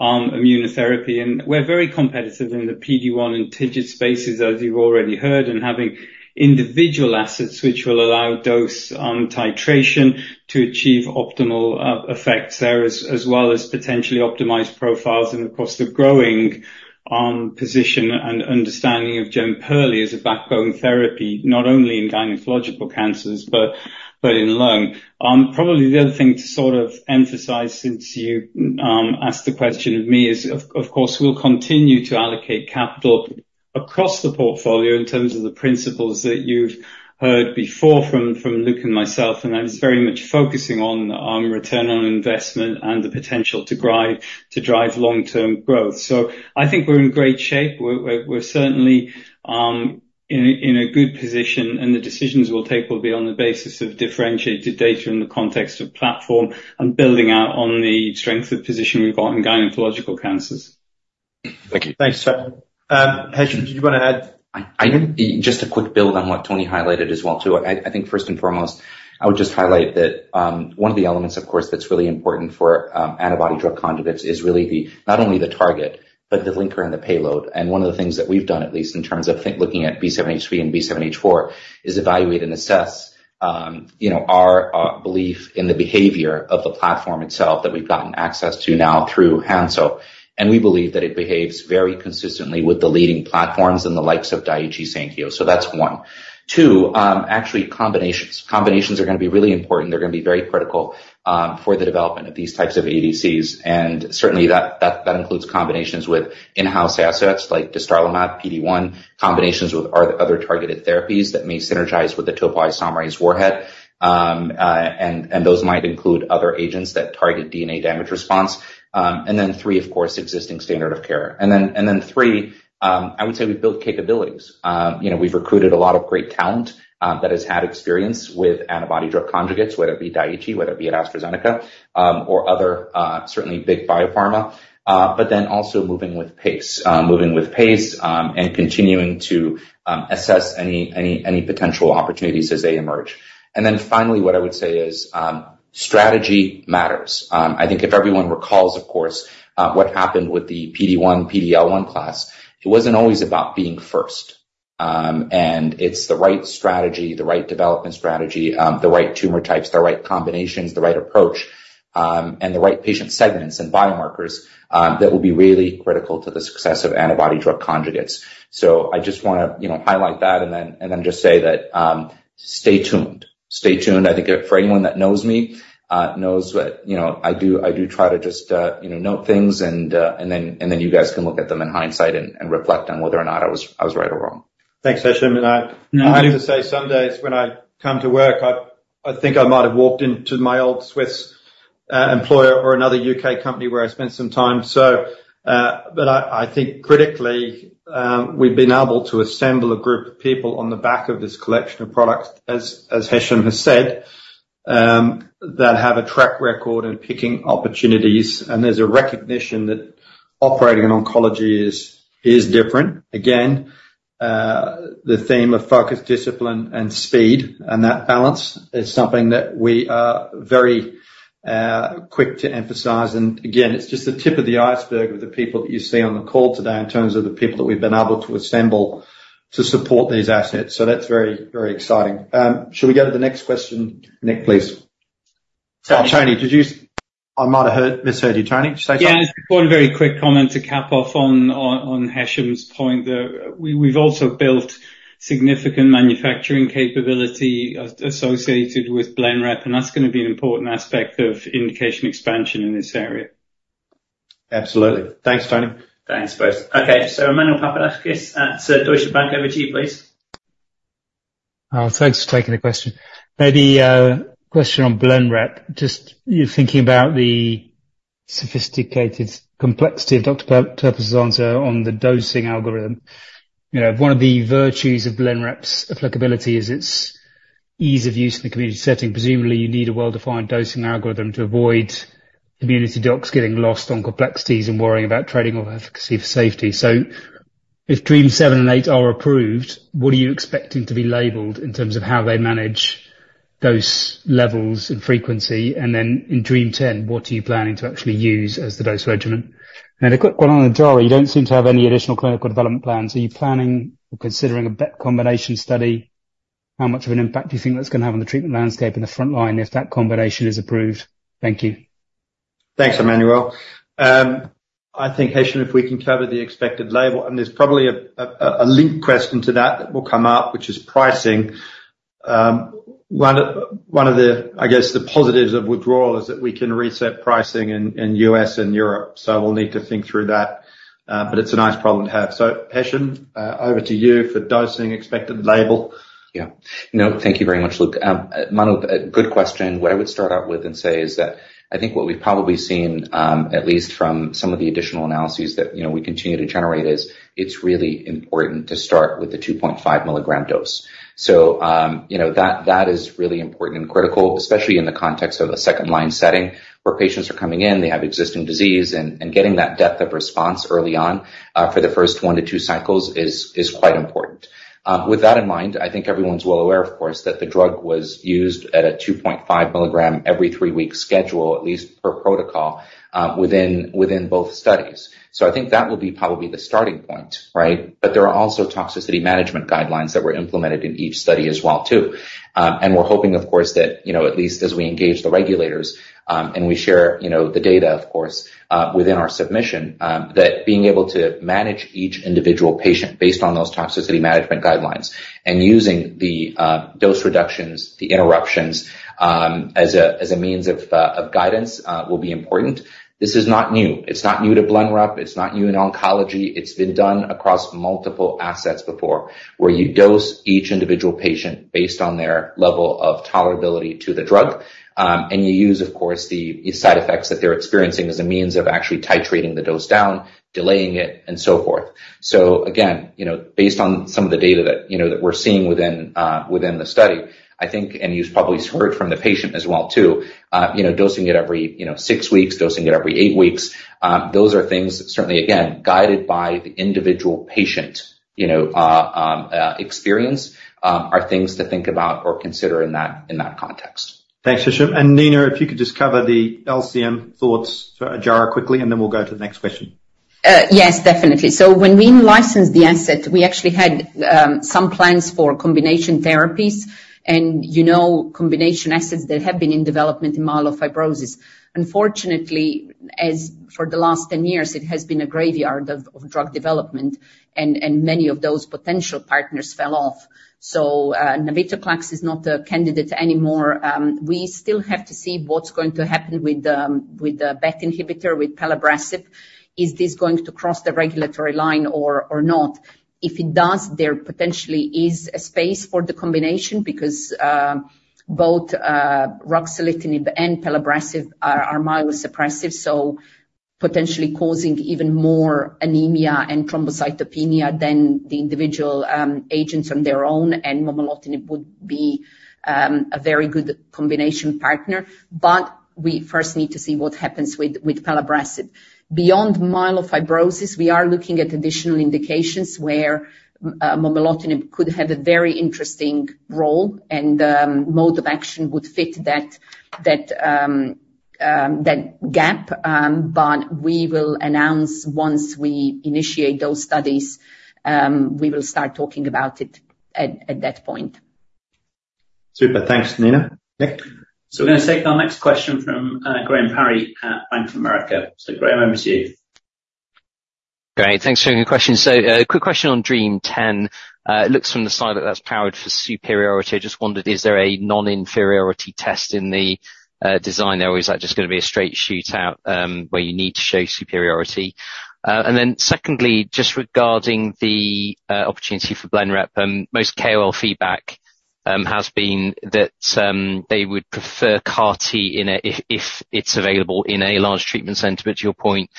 immunotherapy, and we're very competitive in the PD-1 and TIGIT spaces, as you've already heard, and having individual assets which will allow dose titration to achieve optimal effects there, as well as potentially optimized profiles, and of course, the growing position and understanding of Jemperli as a backbone therapy, not only in gynecological cancers, but in lung. Probably the other thing to sort of emphasize, since you asked the question of me, is, of course, we'll continue to allocate capital across the portfolio in terms of the principles that you've heard before from Luke and myself, and that is very much focusing on return on investment and the potential to drive long-term growth. So I think we're in great shape. We're certainly in a good position, and the decisions we'll take will be on the basis of differentiated data in the context of platform and building out on the strength of position we've got in gynecological cancers. Thank you. Thanks, Tony. Hesham, did you want to add anything? Just a quick build on what Tony highlighted as well, too. I think first and foremost, I would just highlight that one of the elements, of course, that's really important for antibody drug conjugates is really the not only the target, but the linker and the payload. And one of the things that we've done, at least in terms of looking at B7-H3 and B7-H4, is evaluate and assess you know, our belief in the behavior of the platform itself that we've gotten access to now through Hanso. And we believe that it behaves very consistently with the leading platforms in the likes of Daiichi Sankyo. So that's one. Two, actually combinations. Combinations are gonna be really important. They're gonna be very critical for the development of these types of ADCs, and certainly, that includes combinations with in-house assets like dostarlimab, PD-1, combinations with other targeted therapies that may synergize with the topoisomerase warhead. And those might include other agents that target DNA damage response. And then three, of course, existing standard of care. And then three, I would say we've built capabilities. You know, we've recruited a lot of great talent that has had experience with antibody drug conjugates, whether it be Daiichi, whether it be at AstraZeneca, or other certainly big biopharma, but then also moving with pace. Moving with pace, and continuing to assess any potential opportunities as they emerge. And then finally, what I would say is, strategy matters. I think if everyone recalls, of course, what happened with the PD-1, PD-L1 class, it wasn't always about being first. It's the right strategy, the right development strategy, the right tumor types, the right combinations, the right approach, and the right patient segments and biomarkers, that will be really critical to the success of antibody drug conjugates. So I just wanna, you know, highlight that, and then, and then just say that, stay tuned. Stay tuned. I think for anyone that knows me, knows that, you know, I do, I do try to just, you know, note things, and, and then, and then you guys can look at them in hindsight and, and reflect on whether or not I was, I was right or wrong. Thanks, Hesham. Mm-hmm. I have to say, some days when I come to work, I think I might have walked into my old Swiss employer or another U.K. company where I spent some time. So, but I think critically, we've been able to assemble a group of people on the back of this collection of products, as Hesham has said, that have a track record in picking opportunities, and there's a recognition that operating in oncology is different. Again, the theme of focus, discipline, and speed, and that balance is something that we are very quick to emphasize. And again, it's just the tip of the iceberg with the people that you see on the call today, in terms of the people that we've been able to assemble to support these assets. So that's very, very exciting. Shall we go to the next question? Nick, please. Tony, did you... I might have heard, misheard you, Tony. Did you say something? Yeah, just one very quick comment to cap off on Hesham's point there. We've also built significant manufacturing capability associated with Blenrep, and that's gonna be an important aspect of indication expansion in this area. Absolutely. Thanks, Tony. Thanks, guys. Okay, so Emmanuel Papadakis at Deutsche Bank, over to you, please. Thanks for taking the question. Maybe, question on Blenrep, just you thinking about the sophisticated complexity of Dr. Terpos's answer on the dosing algorithm. You know, one of the virtues of Blenrep's applicability is its ease of use in the community setting. Presumably, you need a well-defined dosing algorithm to avoid community docs getting lost on complexities and worrying about trading off efficacy for safety. So if DREAMM-7 and 8 are approved, what are you expecting to be labeled in terms of how they manage dose levels and frequency? And then in DREAMM-10, what are you planning to actually use as the dose regimen? And a quick one on Dara, you don't seem to have any additional clinical development plans. Are you planning or considering a combination study? How much of an impact do you think that's gonna have on the treatment landscape in the front line if that combination is approved? Thank you. Thanks, Emmanuel. I think, Hesham, if we can cover the expected label, and there's probably a link question to that that will come up, which is pricing. One of the, I guess, the positives of withdrawal is that we can reset pricing in the U.S. and Europe, so we'll need to think through that, but it's a nice problem to have. So, Hesham, over to you for dosing expected label.... Yeah. No, thank you very much, Luke. Manuel, good question. What I would start out with and say is that I think what we've probably seen, at least from some of the additional analyses that, you know, we continue to generate, is it's really important to start with the 2.5 milligram dose. So, you know, that, that is really important and critical, especially in the context of a second line setting, where patients are coming in, they have existing disease, and getting that depth of response early on, for the first one to two cycles is quite important. With that in mind, I think everyone's well aware, of course, that the drug was used at a 2.5 milligram every 3-week schedule, at least per protocol, within both studies. So I think that will be probably the starting point, right? But there are also toxicity management guidelines that were implemented in each study as well, too. And we're hoping, of course, that, you know, at least as we engage the regulators, and we share, you know, the data, of course, within our submission, that being able to manage each individual patient based on those toxicity management guidelines and using the, dose reductions, the interruptions, as a, as a means of, of guidance, will be important. This is not new. It's not new to Blenrep, it's not new in oncology. It's been done across multiple assets before, where you dose each individual patient based on their level of tolerability to the drug, and you use, of course, the side effects that they're experiencing as a means of actually titrating the dose down, delaying it, and so forth. So again, you know, based on some of the data that, you know, that we're seeing within the study, I think, and you've probably heard from the patient as well, too, you know, dosing it every, you know, six weeks, dosing it every eight weeks, those are things certainly, again, guided by the individual patient, you know, experience, are things to think about or consider in that context. Thanks, Hesham. And Nina, if you could just cover the LCM thoughts for Ojjaara quickly, and then we'll go to the next question. Yes, definitely. So when we licensed the asset, we actually had some plans for combination therapies and, you know, combination assets that have been in development in myelofibrosis. Unfortunately, as for the last 10 years, it has been a graveyard of drug development, and many of those potential partners fell off. So, Navitoclax is not a candidate anymore. We still have to see what's going to happen with the BET inhibitor, with Pelabresib. Is this going to cross the regulatory line or not? If it does, there potentially is a space for the combination because both Ruxolitinib and Pelabresib are myelosuppressive, so potentially causing even more anemia and thrombocytopenia than the individual agents on their own, and Momelotinib would be a very good combination partner, but we first need to see what happens with Pelabresib. Beyond myelofibrosis, we are looking at additional indications where Momelotinib could have a very interesting role, and the mode of action would fit that gap. But we will announce once we initiate those studies, we will start talking about it at that point. Super. Thanks, Nina. Nick? So we're gonna take our next question from Graham Parry at Bank of America. So Graham, over to you. Great. Thanks for your question. So, quick question on DREAMM-10. It looks from the side that that's powered for superiority. I just wondered, is there a non-inferiority test in the design there, or is that just gonna be a straight shootout, where you need to show superiority? And then secondly, just regarding the opportunity for Blenrep, most KOL feedback has been that they would prefer CAR T if it's available in a large treatment center, but to your point,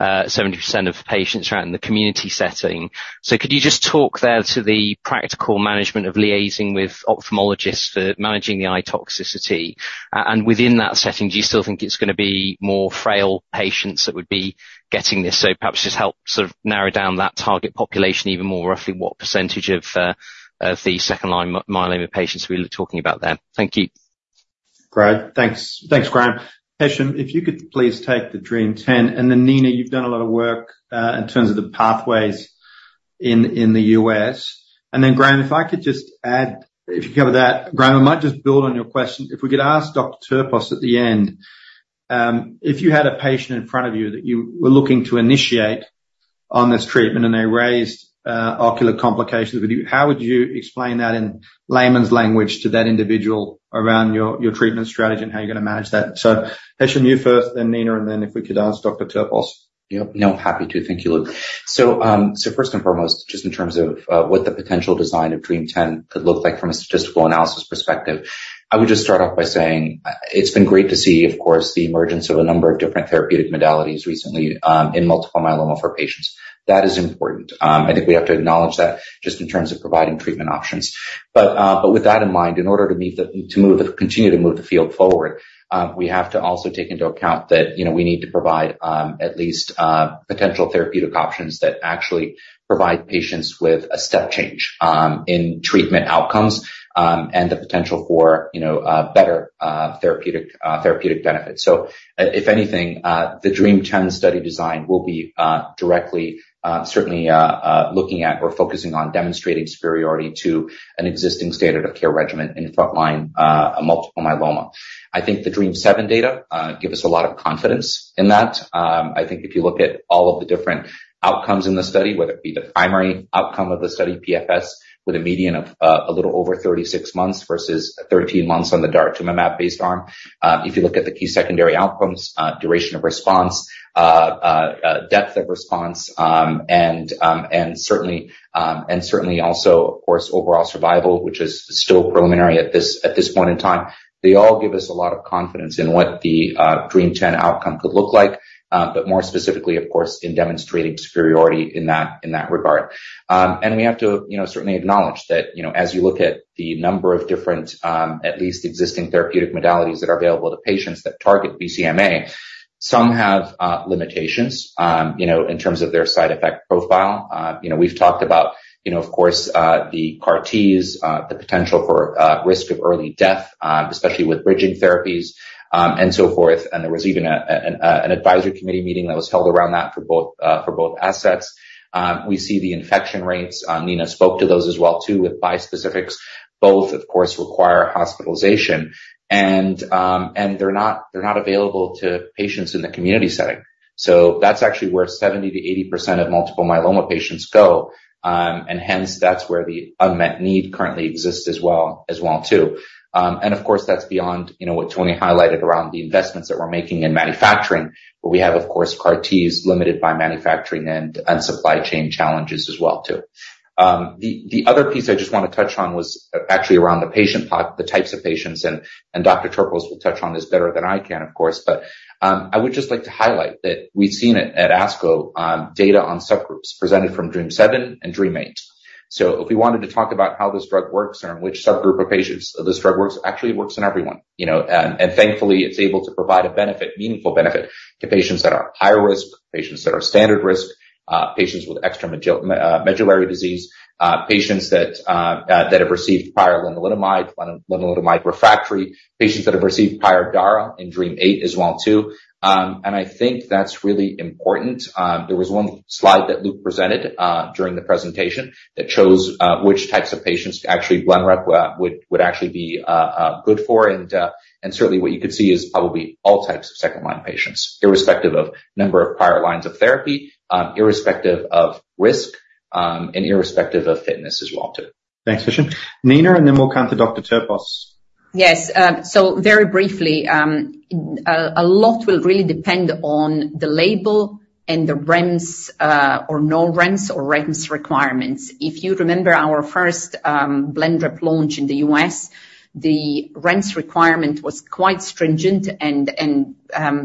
70% of patients are out in the community setting. So could you just talk there to the practical management of liaising with ophthalmologists for managing the eye toxicity? And within that setting, do you still think it's gonna be more frail patients that would be getting this? So perhaps just help sort of narrow down that target population even more, roughly what percentage of of the second-line myeloma patients we're talking about there. Thank you. Great. Thanks. Thanks, Graham. Hesham, if you could please take the DREAMM-10, and then, Nina, you've done a lot of work in terms of the pathways in the U.S. And then, Graham, if I could just add, if you cover that, Graham, I might just build on your question. If we could ask Dr. Terpos at the end, if you had a patient in front of you that you were looking to initiate on this treatment and they raised ocular complications, would you- how would you explain that in layman's language to that individual around your treatment strategy and how you're gonna manage that? So Hesham, you first, then Nina, and then if we could ask Dr. Terpos. Yep. No, happy to. Thank you, Luke. So, so first and foremost, just in terms of what the potential design of DREAMM-10 could look like from a statistical analysis perspective, I would just start off by saying it's been great to see, of course, the emergence of a number of different therapeutic modalities recently, in multiple myeloma for patients. That is important. I think we have to acknowledge that just in terms of providing treatment options. But, but with that in mind, in order to continue to move the field forward, we have to also take into account that, you know, we need to provide at least potential therapeutic options that actually provide patients with a step change in treatment outcomes, and the potential for, you know, better therapeutic benefits. So if anything, the DREAMM-10 study design will be directly certainly looking at or focusing on demonstrating superiority to an existing standard of care regimen in frontline multiple myeloma. I think the DREAMM-7 data give us a lot of confidence in that. I think if you look at all of the different outcomes in the study, whether it be the primary outcome of the study, PFS, with a median of a little over 36 months versus 13 months on the Daratumumab-based arm. If you look at the key secondary outcomes, duration of response, depth of response, and certainly also, of course, overall survival, which is still preliminary at this point in time. They all give us a lot of confidence in what the DREAMM-10 outcome could look like, but more specifically, of course, in demonstrating superiority in that regard. And we have to, you know, certainly acknowledge that, you know, as you look at the number of different, at least existing therapeutic modalities that are available to patients that target BCMA, some have limitations, you know, in terms of their side effect profile. You know, we've talked about, you know, of course, the CAR-Ts, the potential for risk of early death, especially with bridging therapies, and so forth, and there was even an advisory committee meeting that was held around that for both for both assets. We see the infection rates, Nina spoke to those as well too, with bispecifics. Both, of course, require hospitalization and they're not available to patients in the community setting. So that's actually where 70%-80% of multiple myeloma patients go, and hence, that's where the unmet need currently exists as well, too. And of course, that's beyond, you know, what Tony highlighted around the investments that we're making in manufacturing, where we have, of course, CAR-Ts limited by manufacturing and supply chain challenges as well, too. The other piece I just want to touch on was actually around the types of patients, and Dr. Terpos will touch on this better than I can, of course, but I would just like to highlight that we've seen it at ASCO, data on subgroups presented from DREAMM-7 and DREAMM-8. So if we wanted to talk about how this drug works or in which subgroup of patients this drug works, actually it works in everyone, you know. And thankfully, it's able to provide a benefit, meaningful benefit, to patients that are high risk, patients that are standard risk, patients with extramedullary disease, patients that, that have received prior lenalidomide, lenalidomide refractory, patients that have received prior dara in DREAMM-8 as well, too. And I think that's really important. There was one slide that Luke presented, during the presentation, that shows, which types of patients actually Blenrep would, would actually be, good for. Certainly, what you could see is probably all types of second-line patients, irrespective of number of prior lines of therapy, irrespective of risk, and irrespective of fitness as well, too. Thanks, Hersham. Nina, and then we'll come to Dr. Terpos. Yes, so very briefly, a lot will really depend on the label and the REMS, or no REMS, or REMS requirements. If you remember our first Blenrep launch in the U.S., the REMS requirement was quite stringent and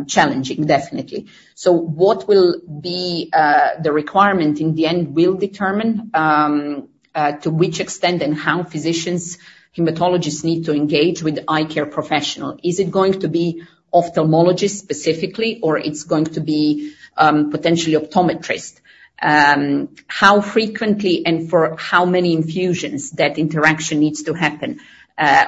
challenging, definitely. So what will be the requirement in the end will determine to which extent and how physicians, hematologists need to engage with the eye care professional. Is it going to be ophthalmologists specifically, or it's going to be potentially optometrists? How frequently and for how many infusions that interaction needs to happen?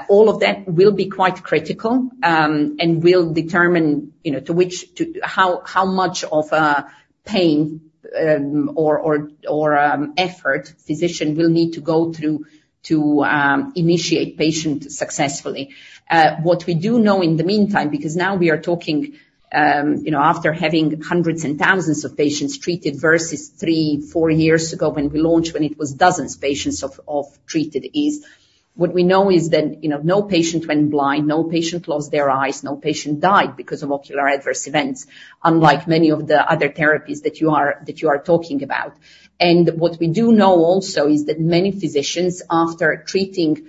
All of that will be quite critical and will determine, you know, to which how much of a pain or effort physician will need to go through to initiate patient successfully. What we do know in the meantime, because now we are talking, you know, after having hundreds and thousands of patients treated versus three, four years ago when we launched, when it was dozens of patients of treated, is what we know is that, you know, no patient went blind, no patient lost their eyes, no patient died because of ocular adverse events, unlike many of the other therapies that you are talking about. And what we do know also is that many physicians, after treating,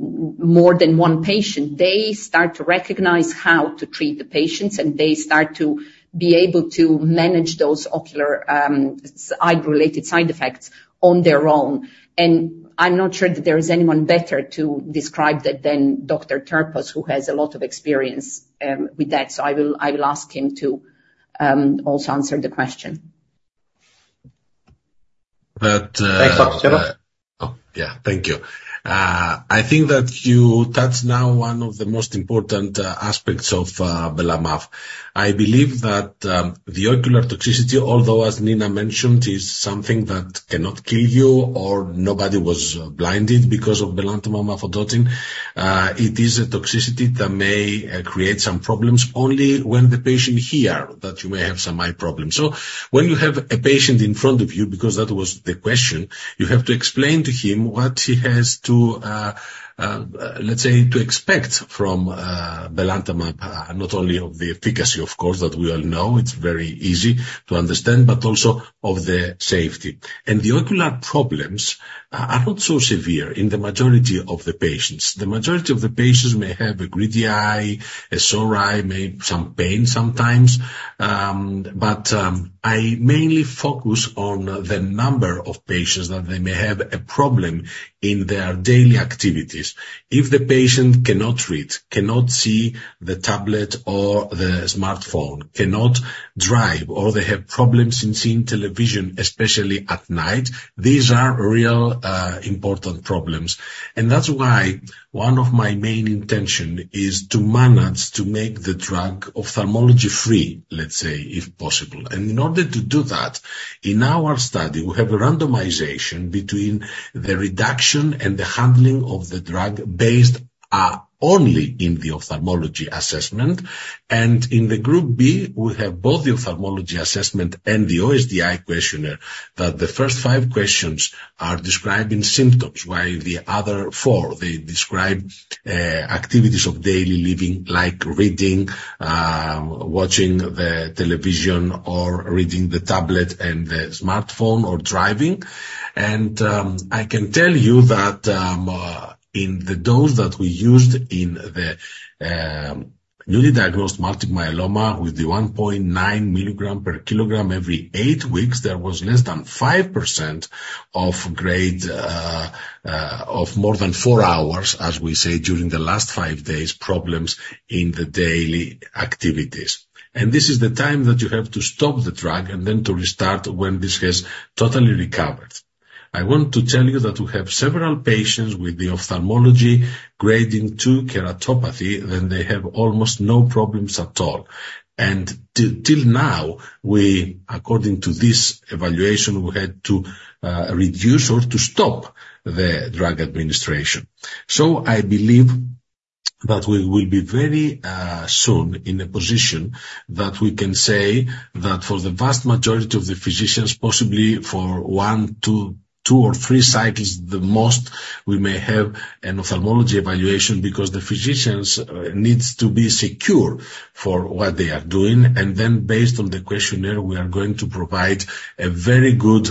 more than one patient, they start to recognize how to treat the patients, and they start to be able to manage those ocular eye-related side effects on their own. And I'm not sure that there is anyone better to describe that than Dr. Terpos, who has a lot of experience with that. I will ask him to also answer the question. Thanks, Dr. Terpos. Oh, yeah. Thank you. I think that you touch now one of the most important aspects of belamaf. I believe that the ocular toxicity, although as Nina mentioned, is something that cannot kill you or nobody was blinded because of belantamab mafodotin. It is a toxicity that may create some problems only when the patient hear that you may have some eye problems. So when you have a patient in front of you, because that was the question, you have to explain to him what he has to, let's say, to expect from belantamab, not only of the efficacy, of course, that we all know, it's very easy to understand, but also of the safety. And the ocular problems are not so severe in the majority of the patients. The majority of the patients may have a gritty eye, a sore eye, maybe some pain sometimes. But, I mainly focus on the number of patients, that they may have a problem in their daily activities. If the patient cannot read, cannot see the tablet or the smartphone, cannot drive, or they have problems in seeing television, especially at night, these are real, important problems. And that's why one of my main intention is to manage to make the drug ophthalmology free, let's say, if possible. And in order to do that, in our study, we have a randomization between the reduction and the handling of the drug based only in the ophthalmology assessment. In group B, we have both the ophthalmology assessment and the OSDI questionnaire, that the first five questions are describing symptoms, while the other four, they describe activities of daily living, like reading, watching the television, or reading the tablet and the smartphone, or driving. I can tell you that in the dose that we used in the newly diagnosed multiple myeloma, with the 1.9 milligram per kilogram every eight weeks, there was less than 5% of grade of more than four hours, as we say, during the last five days, problems in the daily activities. This is the time that you have to stop the drug and then to restart when this has totally recovered. I want to tell you that we have several patients with the ophthalmology grading two keratopathy, and they have almost no problems at all. And till now, we, according to this evaluation, we had to reduce or to stop the drug administration. So I believe that we will be very soon in a position that we can say that for the vast majority of the physicians, possibly for one, two or three cycles at the most, we may have an ophthalmology evaluation. Because the physicians needs to be secure for what they are doing, and then based on the questionnaire, we are going to provide a very good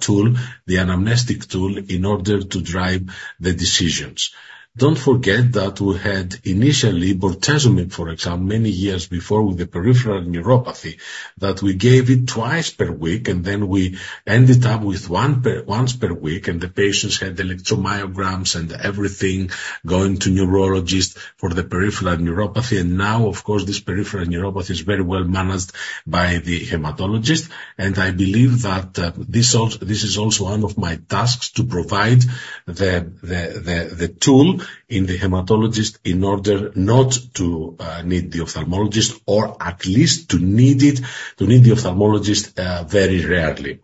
tool, the anamnestic tool, in order to drive the decisions. Don't forget that we had initially bortezomib, for example, many years before with the peripheral neuropathy, that we gave it twice per week, and then we ended up with once per week, and the patients had electromyograms and everything, going to neurologists for the peripheral neuropathy. And now, of course, this peripheral neuropathy is very well managed by the hematologist. And I believe that this is also one of my tasks, to provide the tool to the hematologist in order not to need the ophthalmologist, or at least to need it, to need the ophthalmologist very rarely.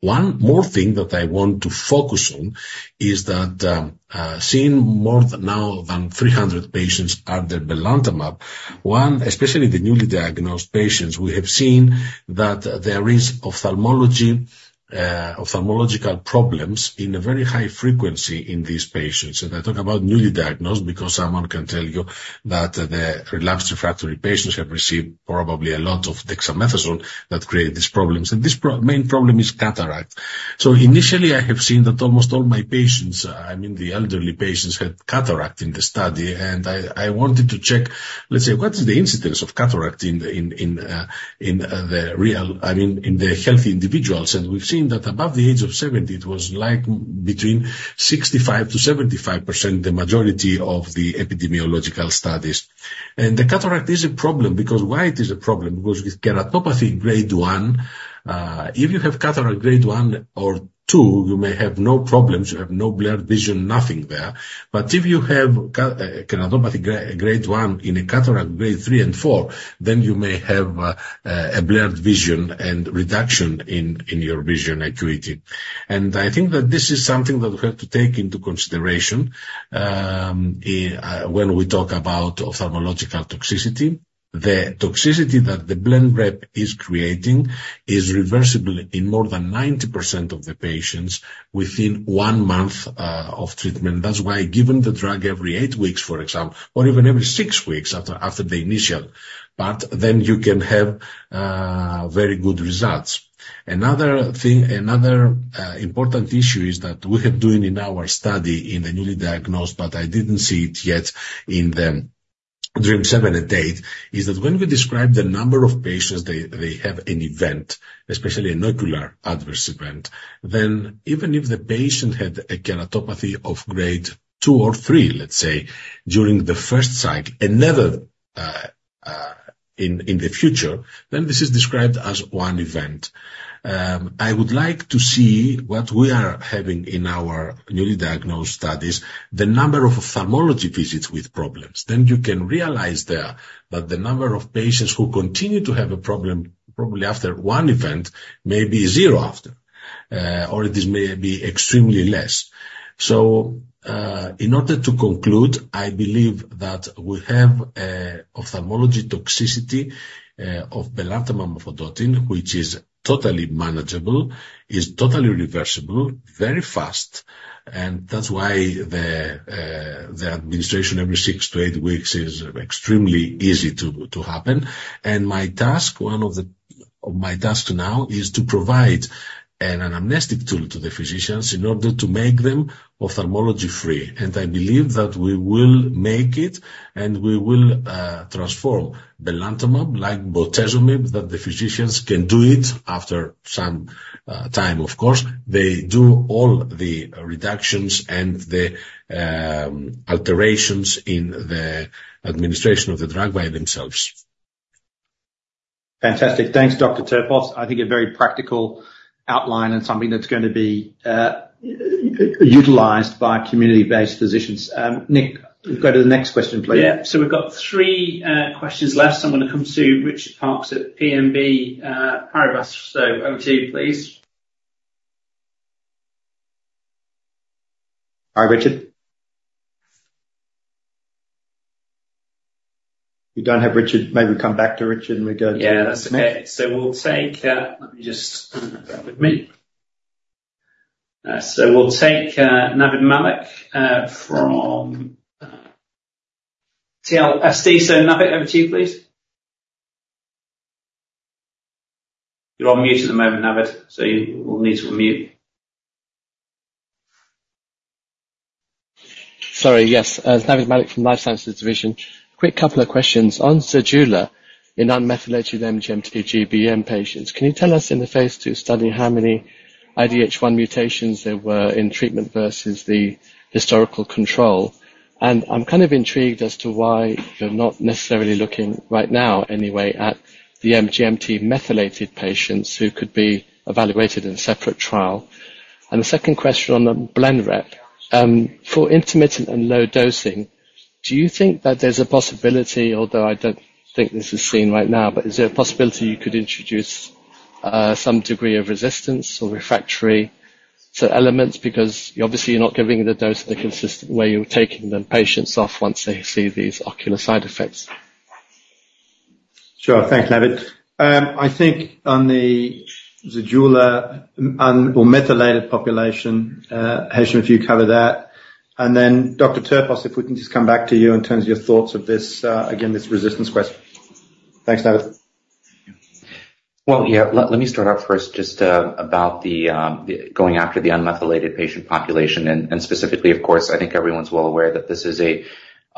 One more thing that I want to focus on is that, seeing more than now than 300 patients under belantamab, one, especially the newly diagnosed patients, we have seen that there is ophthalmology- ophthalmological problems in a very high frequency in these patients. And I talk about newly diagnosed, because someone can tell you that the relapsed refractory patients have received probably a lot of dexamethasone that created these problems, and this pro- main problem is cataract. So initially, I have seen that almost all my patients, I mean, the elderly patients, had cataract in the study, and I, I wanted to check, let's say, what is the incidence of cataract in the, in, in, in, the real, I mean, in the healthy individuals? We've seen that above the age of 70, it was like between 65%-75%, the majority of the epidemiological studies. The cataract is a problem because why it is a problem? Because with keratopathy Grade 1, if you have cataract Grade 1 or 2, you may have no problems. You have no blurred vision, nothing there. But if you have keratopathy Grade 1 in a cataract Grade 3 and 4, then you may have a blurred vision and reduction in your vision acuity. I think that this is something that we have to take into consideration when we talk about ophthalmological toxicity. The toxicity that the Blenrep is creating is reversible in more than 90% of the patients within one month of treatment. That's why giving the drug every eight weeks, for example, or even every six weeks after the initial, but then you can have very good results. Another thing, another important issue is that we are doing in our study in the newly diagnosed, but I didn't see it yet in the DREAMM-7 and DREAMM-8, is that when we describe the number of patients they have an event, especially an ocular adverse event, then even if the patient had a keratopathy of Grade 2 or 3, let's say, during the first cycle and never in the future, then this is described as one event. I would like to see what we are having in our newly diagnosed studies, the number of ophthalmology visits with problems. Then you can realize there that the number of patients who continue to have a problem, probably after one event, may be 0 after, or it may be extremely less. So, in order to conclude, I believe that we have an ophthalmic toxicity of belantamab mafodotin, which is totally manageable, is totally reversible, very fast, and that's why the administration every six to eight weeks is extremely easy to happen. And my task, one of my tasks now, is to provide an anamnestic tool to the physicians in order to make them ophthalmology free. And I believe that we will make it, and we will transform belantamab, like bortezomib, that the physicians can do it after some time, of course. They do all the reductions and the alterations in the administration of the drug by themselves. Fantastic. Thanks, Dr. Terpos. I think a very practical outline and something that's gonna be utilized by community-based physicians. Nick, go to the next question, please. Yeah. So we've got three questions left. I'm gonna come to Richard Parkes at BNP Paribas. Over to you, please. Hi, Richard. We don't have Richard. Maybe we come back to Richard, and we go to- Yeah, that's okay. So we'll take Navid Malik from TLSD. So, Navid, over to you, please. You're on mute at the moment, Navid, so you will need to unmute. Sorry. Yes, Navid Malik from The Life Sciences Division. Quick couple of questions. On Zejula, in unmethylated MGMT GBM patients, can you tell us, in the phase II study, how many IDH1 mutations there were in treatment versus the historical control? And I'm kind of intrigued as to why you're not necessarily looking, right now anyway, at the MGMT methylated patients who could be evaluated in a separate trial. And the second question on Blenrep. For intermittent and low dosing, do you think that there's a possibility, although I don't think this is seen right now, but is there a possibility you could introduce-... some degree of resistance or refractory to lenalidomide, because you obviously are not giving the dose in a consistent way, you're taking the patients off once they see these ocular side effects. Sure. Thanks, Navid. I think on the MGMT un- or methylated population, Hesham, if you cover that, and then Dr. Terpos, if we can just come back to you in terms of your thoughts of this, again, this resistance question. Thanks, Navid. Well, yeah. Let me start out first just about the going after the unmethylated patient population, and specifically, of course, I think everyone's well aware that this is a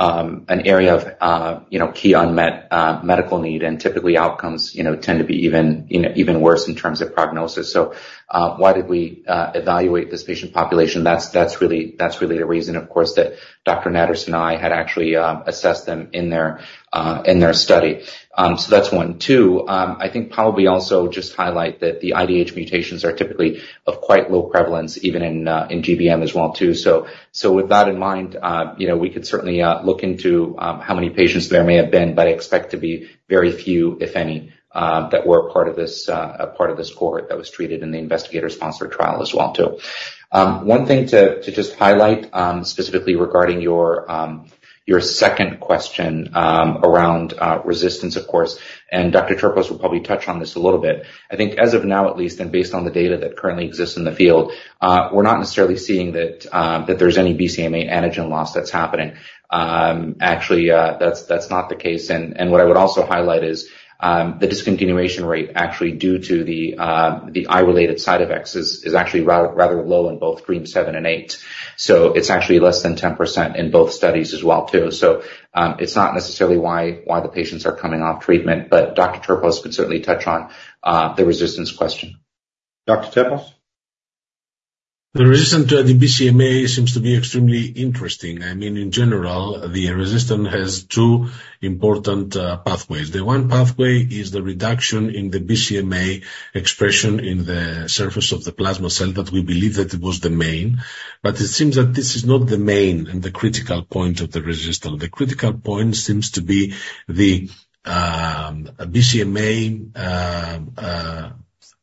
an area of you know, key unmet medical need, and typically outcomes you know, tend to be even you know, even worse in terms of prognosis. So why did we evaluate this patient population? That's really the reason, of course, that Dr. Sanai and I had actually assessed them in their study. So that's one. Two, I think probably also just highlight that the IDH mutations are typically of quite low prevalence, even in GBM as well, too. So, with that in mind, you know, we could certainly look into how many patients there may have been, but I expect to be very few, if any, that were a part of this, a part of this cohort that was treated in the investigator-sponsored trial as well, too. One thing to just highlight, specifically regarding your your second question, around resistance, of course, and Dr. Terpos will probably touch on this a little bit. I think as of now, at least, and based on the data that currently exists in the field, we're not necessarily seeing that that there's any BCMA antigen loss that's happening. Actually, that's not the case. And what I would also highlight is the discontinuation rate, actually, due to the eye-related side effects is actually rather low in both DREAMM-7 and 8. So it's actually less than 10% in both studies as well, too. So it's not necessarily why the patients are coming off treatment, but Dr. Terpos could certainly touch on the resistance question. Dr. Terpos? The resistance to the BCMA seems to be extremely interesting. I mean, in general, the resistance has two important pathways. The one pathway is the reduction in the BCMA expression in the surface of the plasma cell, that we believe that it was the main, but it seems that this is not the main and the critical point of the resistance. The critical point seems to be the BCMA,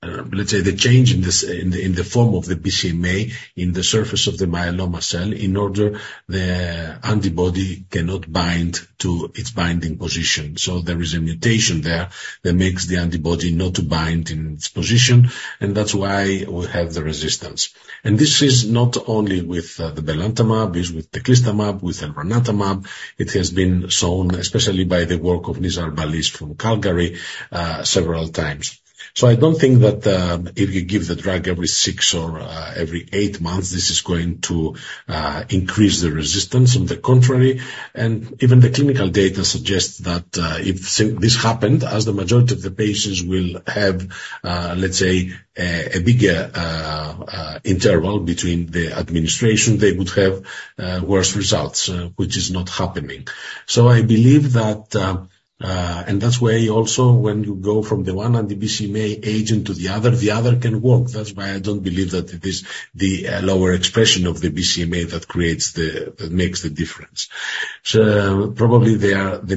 let's say, the change in the form of the BCMA, in the surface of the myeloma cell, in order the antibody cannot bind to its binding position. So there is a mutation there that makes the antibody not to bind in its position, and that's why we have the resistance. This is not only with the belantamab, is with teclistamab, with elranatamab. It has been shown, especially by the work of Nizar Bahlis from Calgary, several times. So I don't think that, if you give the drug every six or every eight months, this is going to increase the resistance. On the contrary, and even the clinical data suggests that, if this happened, as the majority of the patients will have, let's say, a bigger interval between the administration, they would have worse results, which is not happening. So I believe that, and that's why also when you go from the one on the BCMA agent to the other, the other can work. That's why I don't believe that it is the lower expression of the BCMA that creates the... That makes the difference. So probably there, the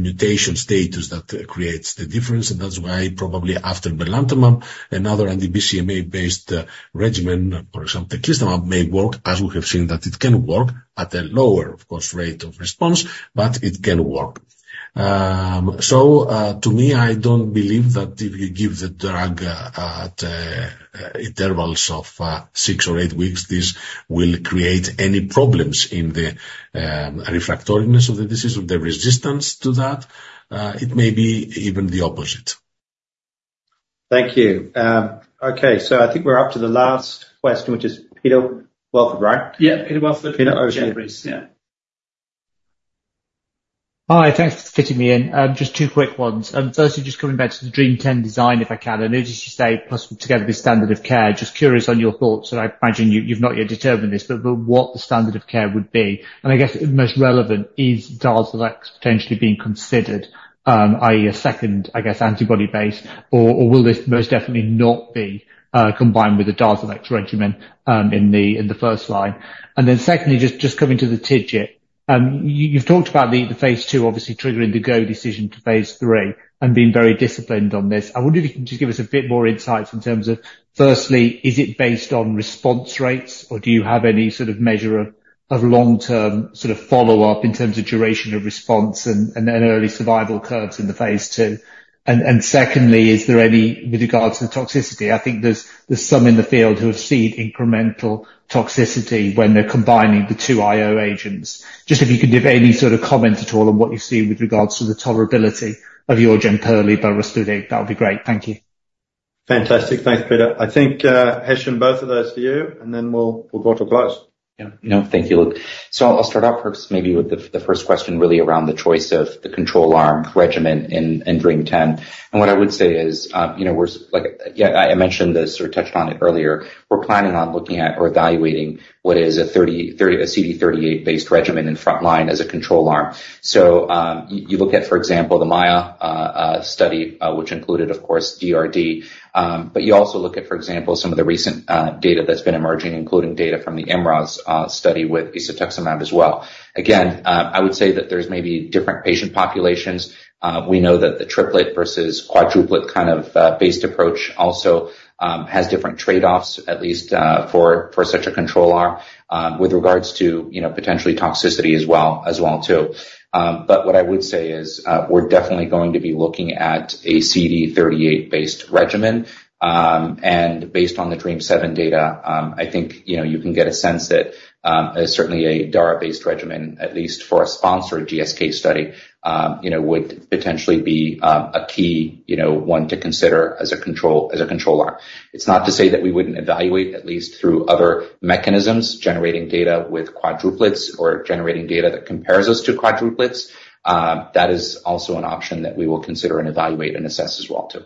mutation status that creates the difference, and that's why probably after belantamab, another BCMA-based regimen, or, for example, Teclistamab may work, as we have seen, that it can work at a lower, of course, rate of response, but it can work. So, to me, I don't believe that if you give the drug at intervals of six or eight weeks, this will create any problems in the refractoriness of the disease, or the resistance to that, it may be even the opposite. Thank you. Okay, so I think we're up to the last question, which is Peter Welford, right? Yeah, Peter Welford. Peter Welford. Yeah. Hi, thanks for fitting me in. Just two quick ones. Firstly, just coming back to the DREAMM-10 design, if I can, and it is to say, possibly together with standard of care, just curious on your thoughts, and I imagine you've not yet determined this, but what the standard of care would be. And I guess, most relevant is Darzalex potentially being considered, i.e., a second, I guess, antibody base, or will this most definitely not be combined with the Darzalex regimen, in the first line? And then secondly, just coming to the TIGIT. You've talked about the phase II, obviously, triggering the go decision to phase III and being very disciplined on this. I wonder if you can just give us a bit more insights in terms of, firstly, is it based on response rates, or do you have any sort of measure of, of long-term sort of follow-up in terms of duration of response and, and then early survival curves in the phase II? And, and secondly, is there any with regards to the toxicity? I think there's, there's some in the field who have seen incremental toxicity when they're combining the two IO agents. Just if you could give any sort of comment at all on what you've seen with regards to the tolerability of your Jemperli belrestatug. That would be great. Thank you. Fantastic. Thanks, Peter. I think, Hesham, both of those to you, and then we'll go to close. Yeah. No, thank you, Luke. So I'll start out first, maybe with the first question really around the choice of the control arm regimen in DREAMM-10. And what I would say is, you know, we're like... Yeah, I mentioned this or touched on it earlier. We're planning on looking at or evaluating what is a CD38-based regimen in frontline as a control arm. So, you look at, for example, the MAIA study, which included, of course, DRd, but you also look at, for example, some of the recent data that's been emerging, including data from the IMROZ study with isatuximab as well. Again, I would say that there's maybe different patient populations. We know that the triplet versus quadruplet kind of based approach also has different trade-offs, at least for such a control arm with regards to, you know, potentially toxicity as well, as well too. But what I would say is, we're definitely going to be looking at a CD38-based regimen and based on the DREAMM-7 data, I think, you know, you can get a sense that certainly a DARA-based regimen, at least for a sponsored GSK study, you know, would potentially be a key, you know, one to consider as a control, as a controller. It's not to say that we wouldn't evaluate, at least through other mechanisms, generating data with quadruplets or generating data that compares us to quadruplets. That is also an option that we will consider and evaluate and assess as well, too.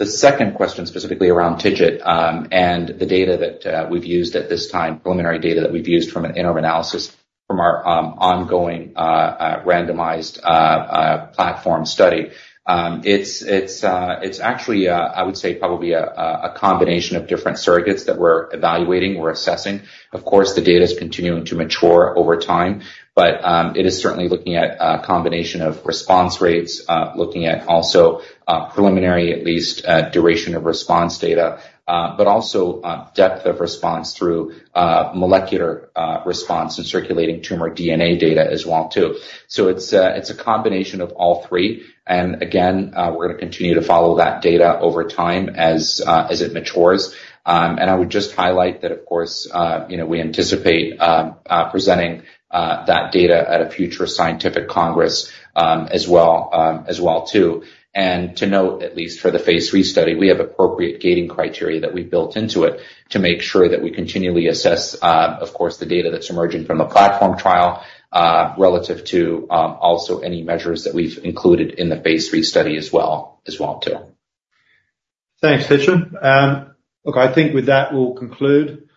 The second question, specifically around TIGIT, and the data that we've used at this time, preliminary data that we've used from an interim analysis from our, ongoing, randomized, platform study. It's actually, I would say, probably a combination of different surrogates that we're evaluating, we're assessing. Of course, the data is continuing to mature over time, but, it is certainly looking at a combination of response rates, looking at also, preliminary, at least, duration of response data, but also, depth of response through, molecular, response and circulating tumor DNA data as well, too. So it's a, it's a combination of all three, and again, we're gonna continue to follow that data over time as it matures. And I would just highlight that, of course, you know, we anticipate presenting that data at a future scientific congress, as well, as well, too. And to note, at least for the phase III study, we have appropriate gating criteria that we've built into it, to make sure that we continually assess, of course, the data that's emerging from the platform trial, relative to, also any measures that we've included in the phase III study as well, as well too. Thanks, Hesham. Look, I think with that, we'll conclude.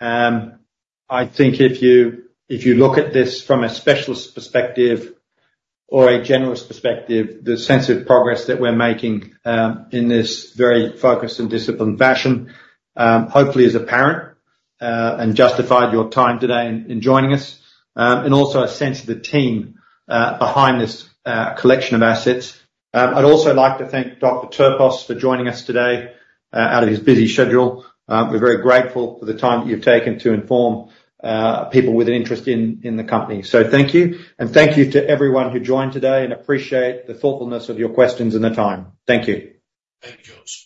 I think if you look at this from a specialist perspective or a generalist perspective, the sense of progress that we're making in this very focused and disciplined fashion hopefully is apparent and justified your time today in joining us. And also a sense of the team behind this collection of assets. I'd also like to thank Dr. Terpos for joining us today out of his busy schedule. We're very grateful for the time that you've taken to inform people with an interest in the company. So thank you, and thank you to everyone who joined today, and appreciate the thoughtfulness of your questions and the time. Thank you. Thank you, George.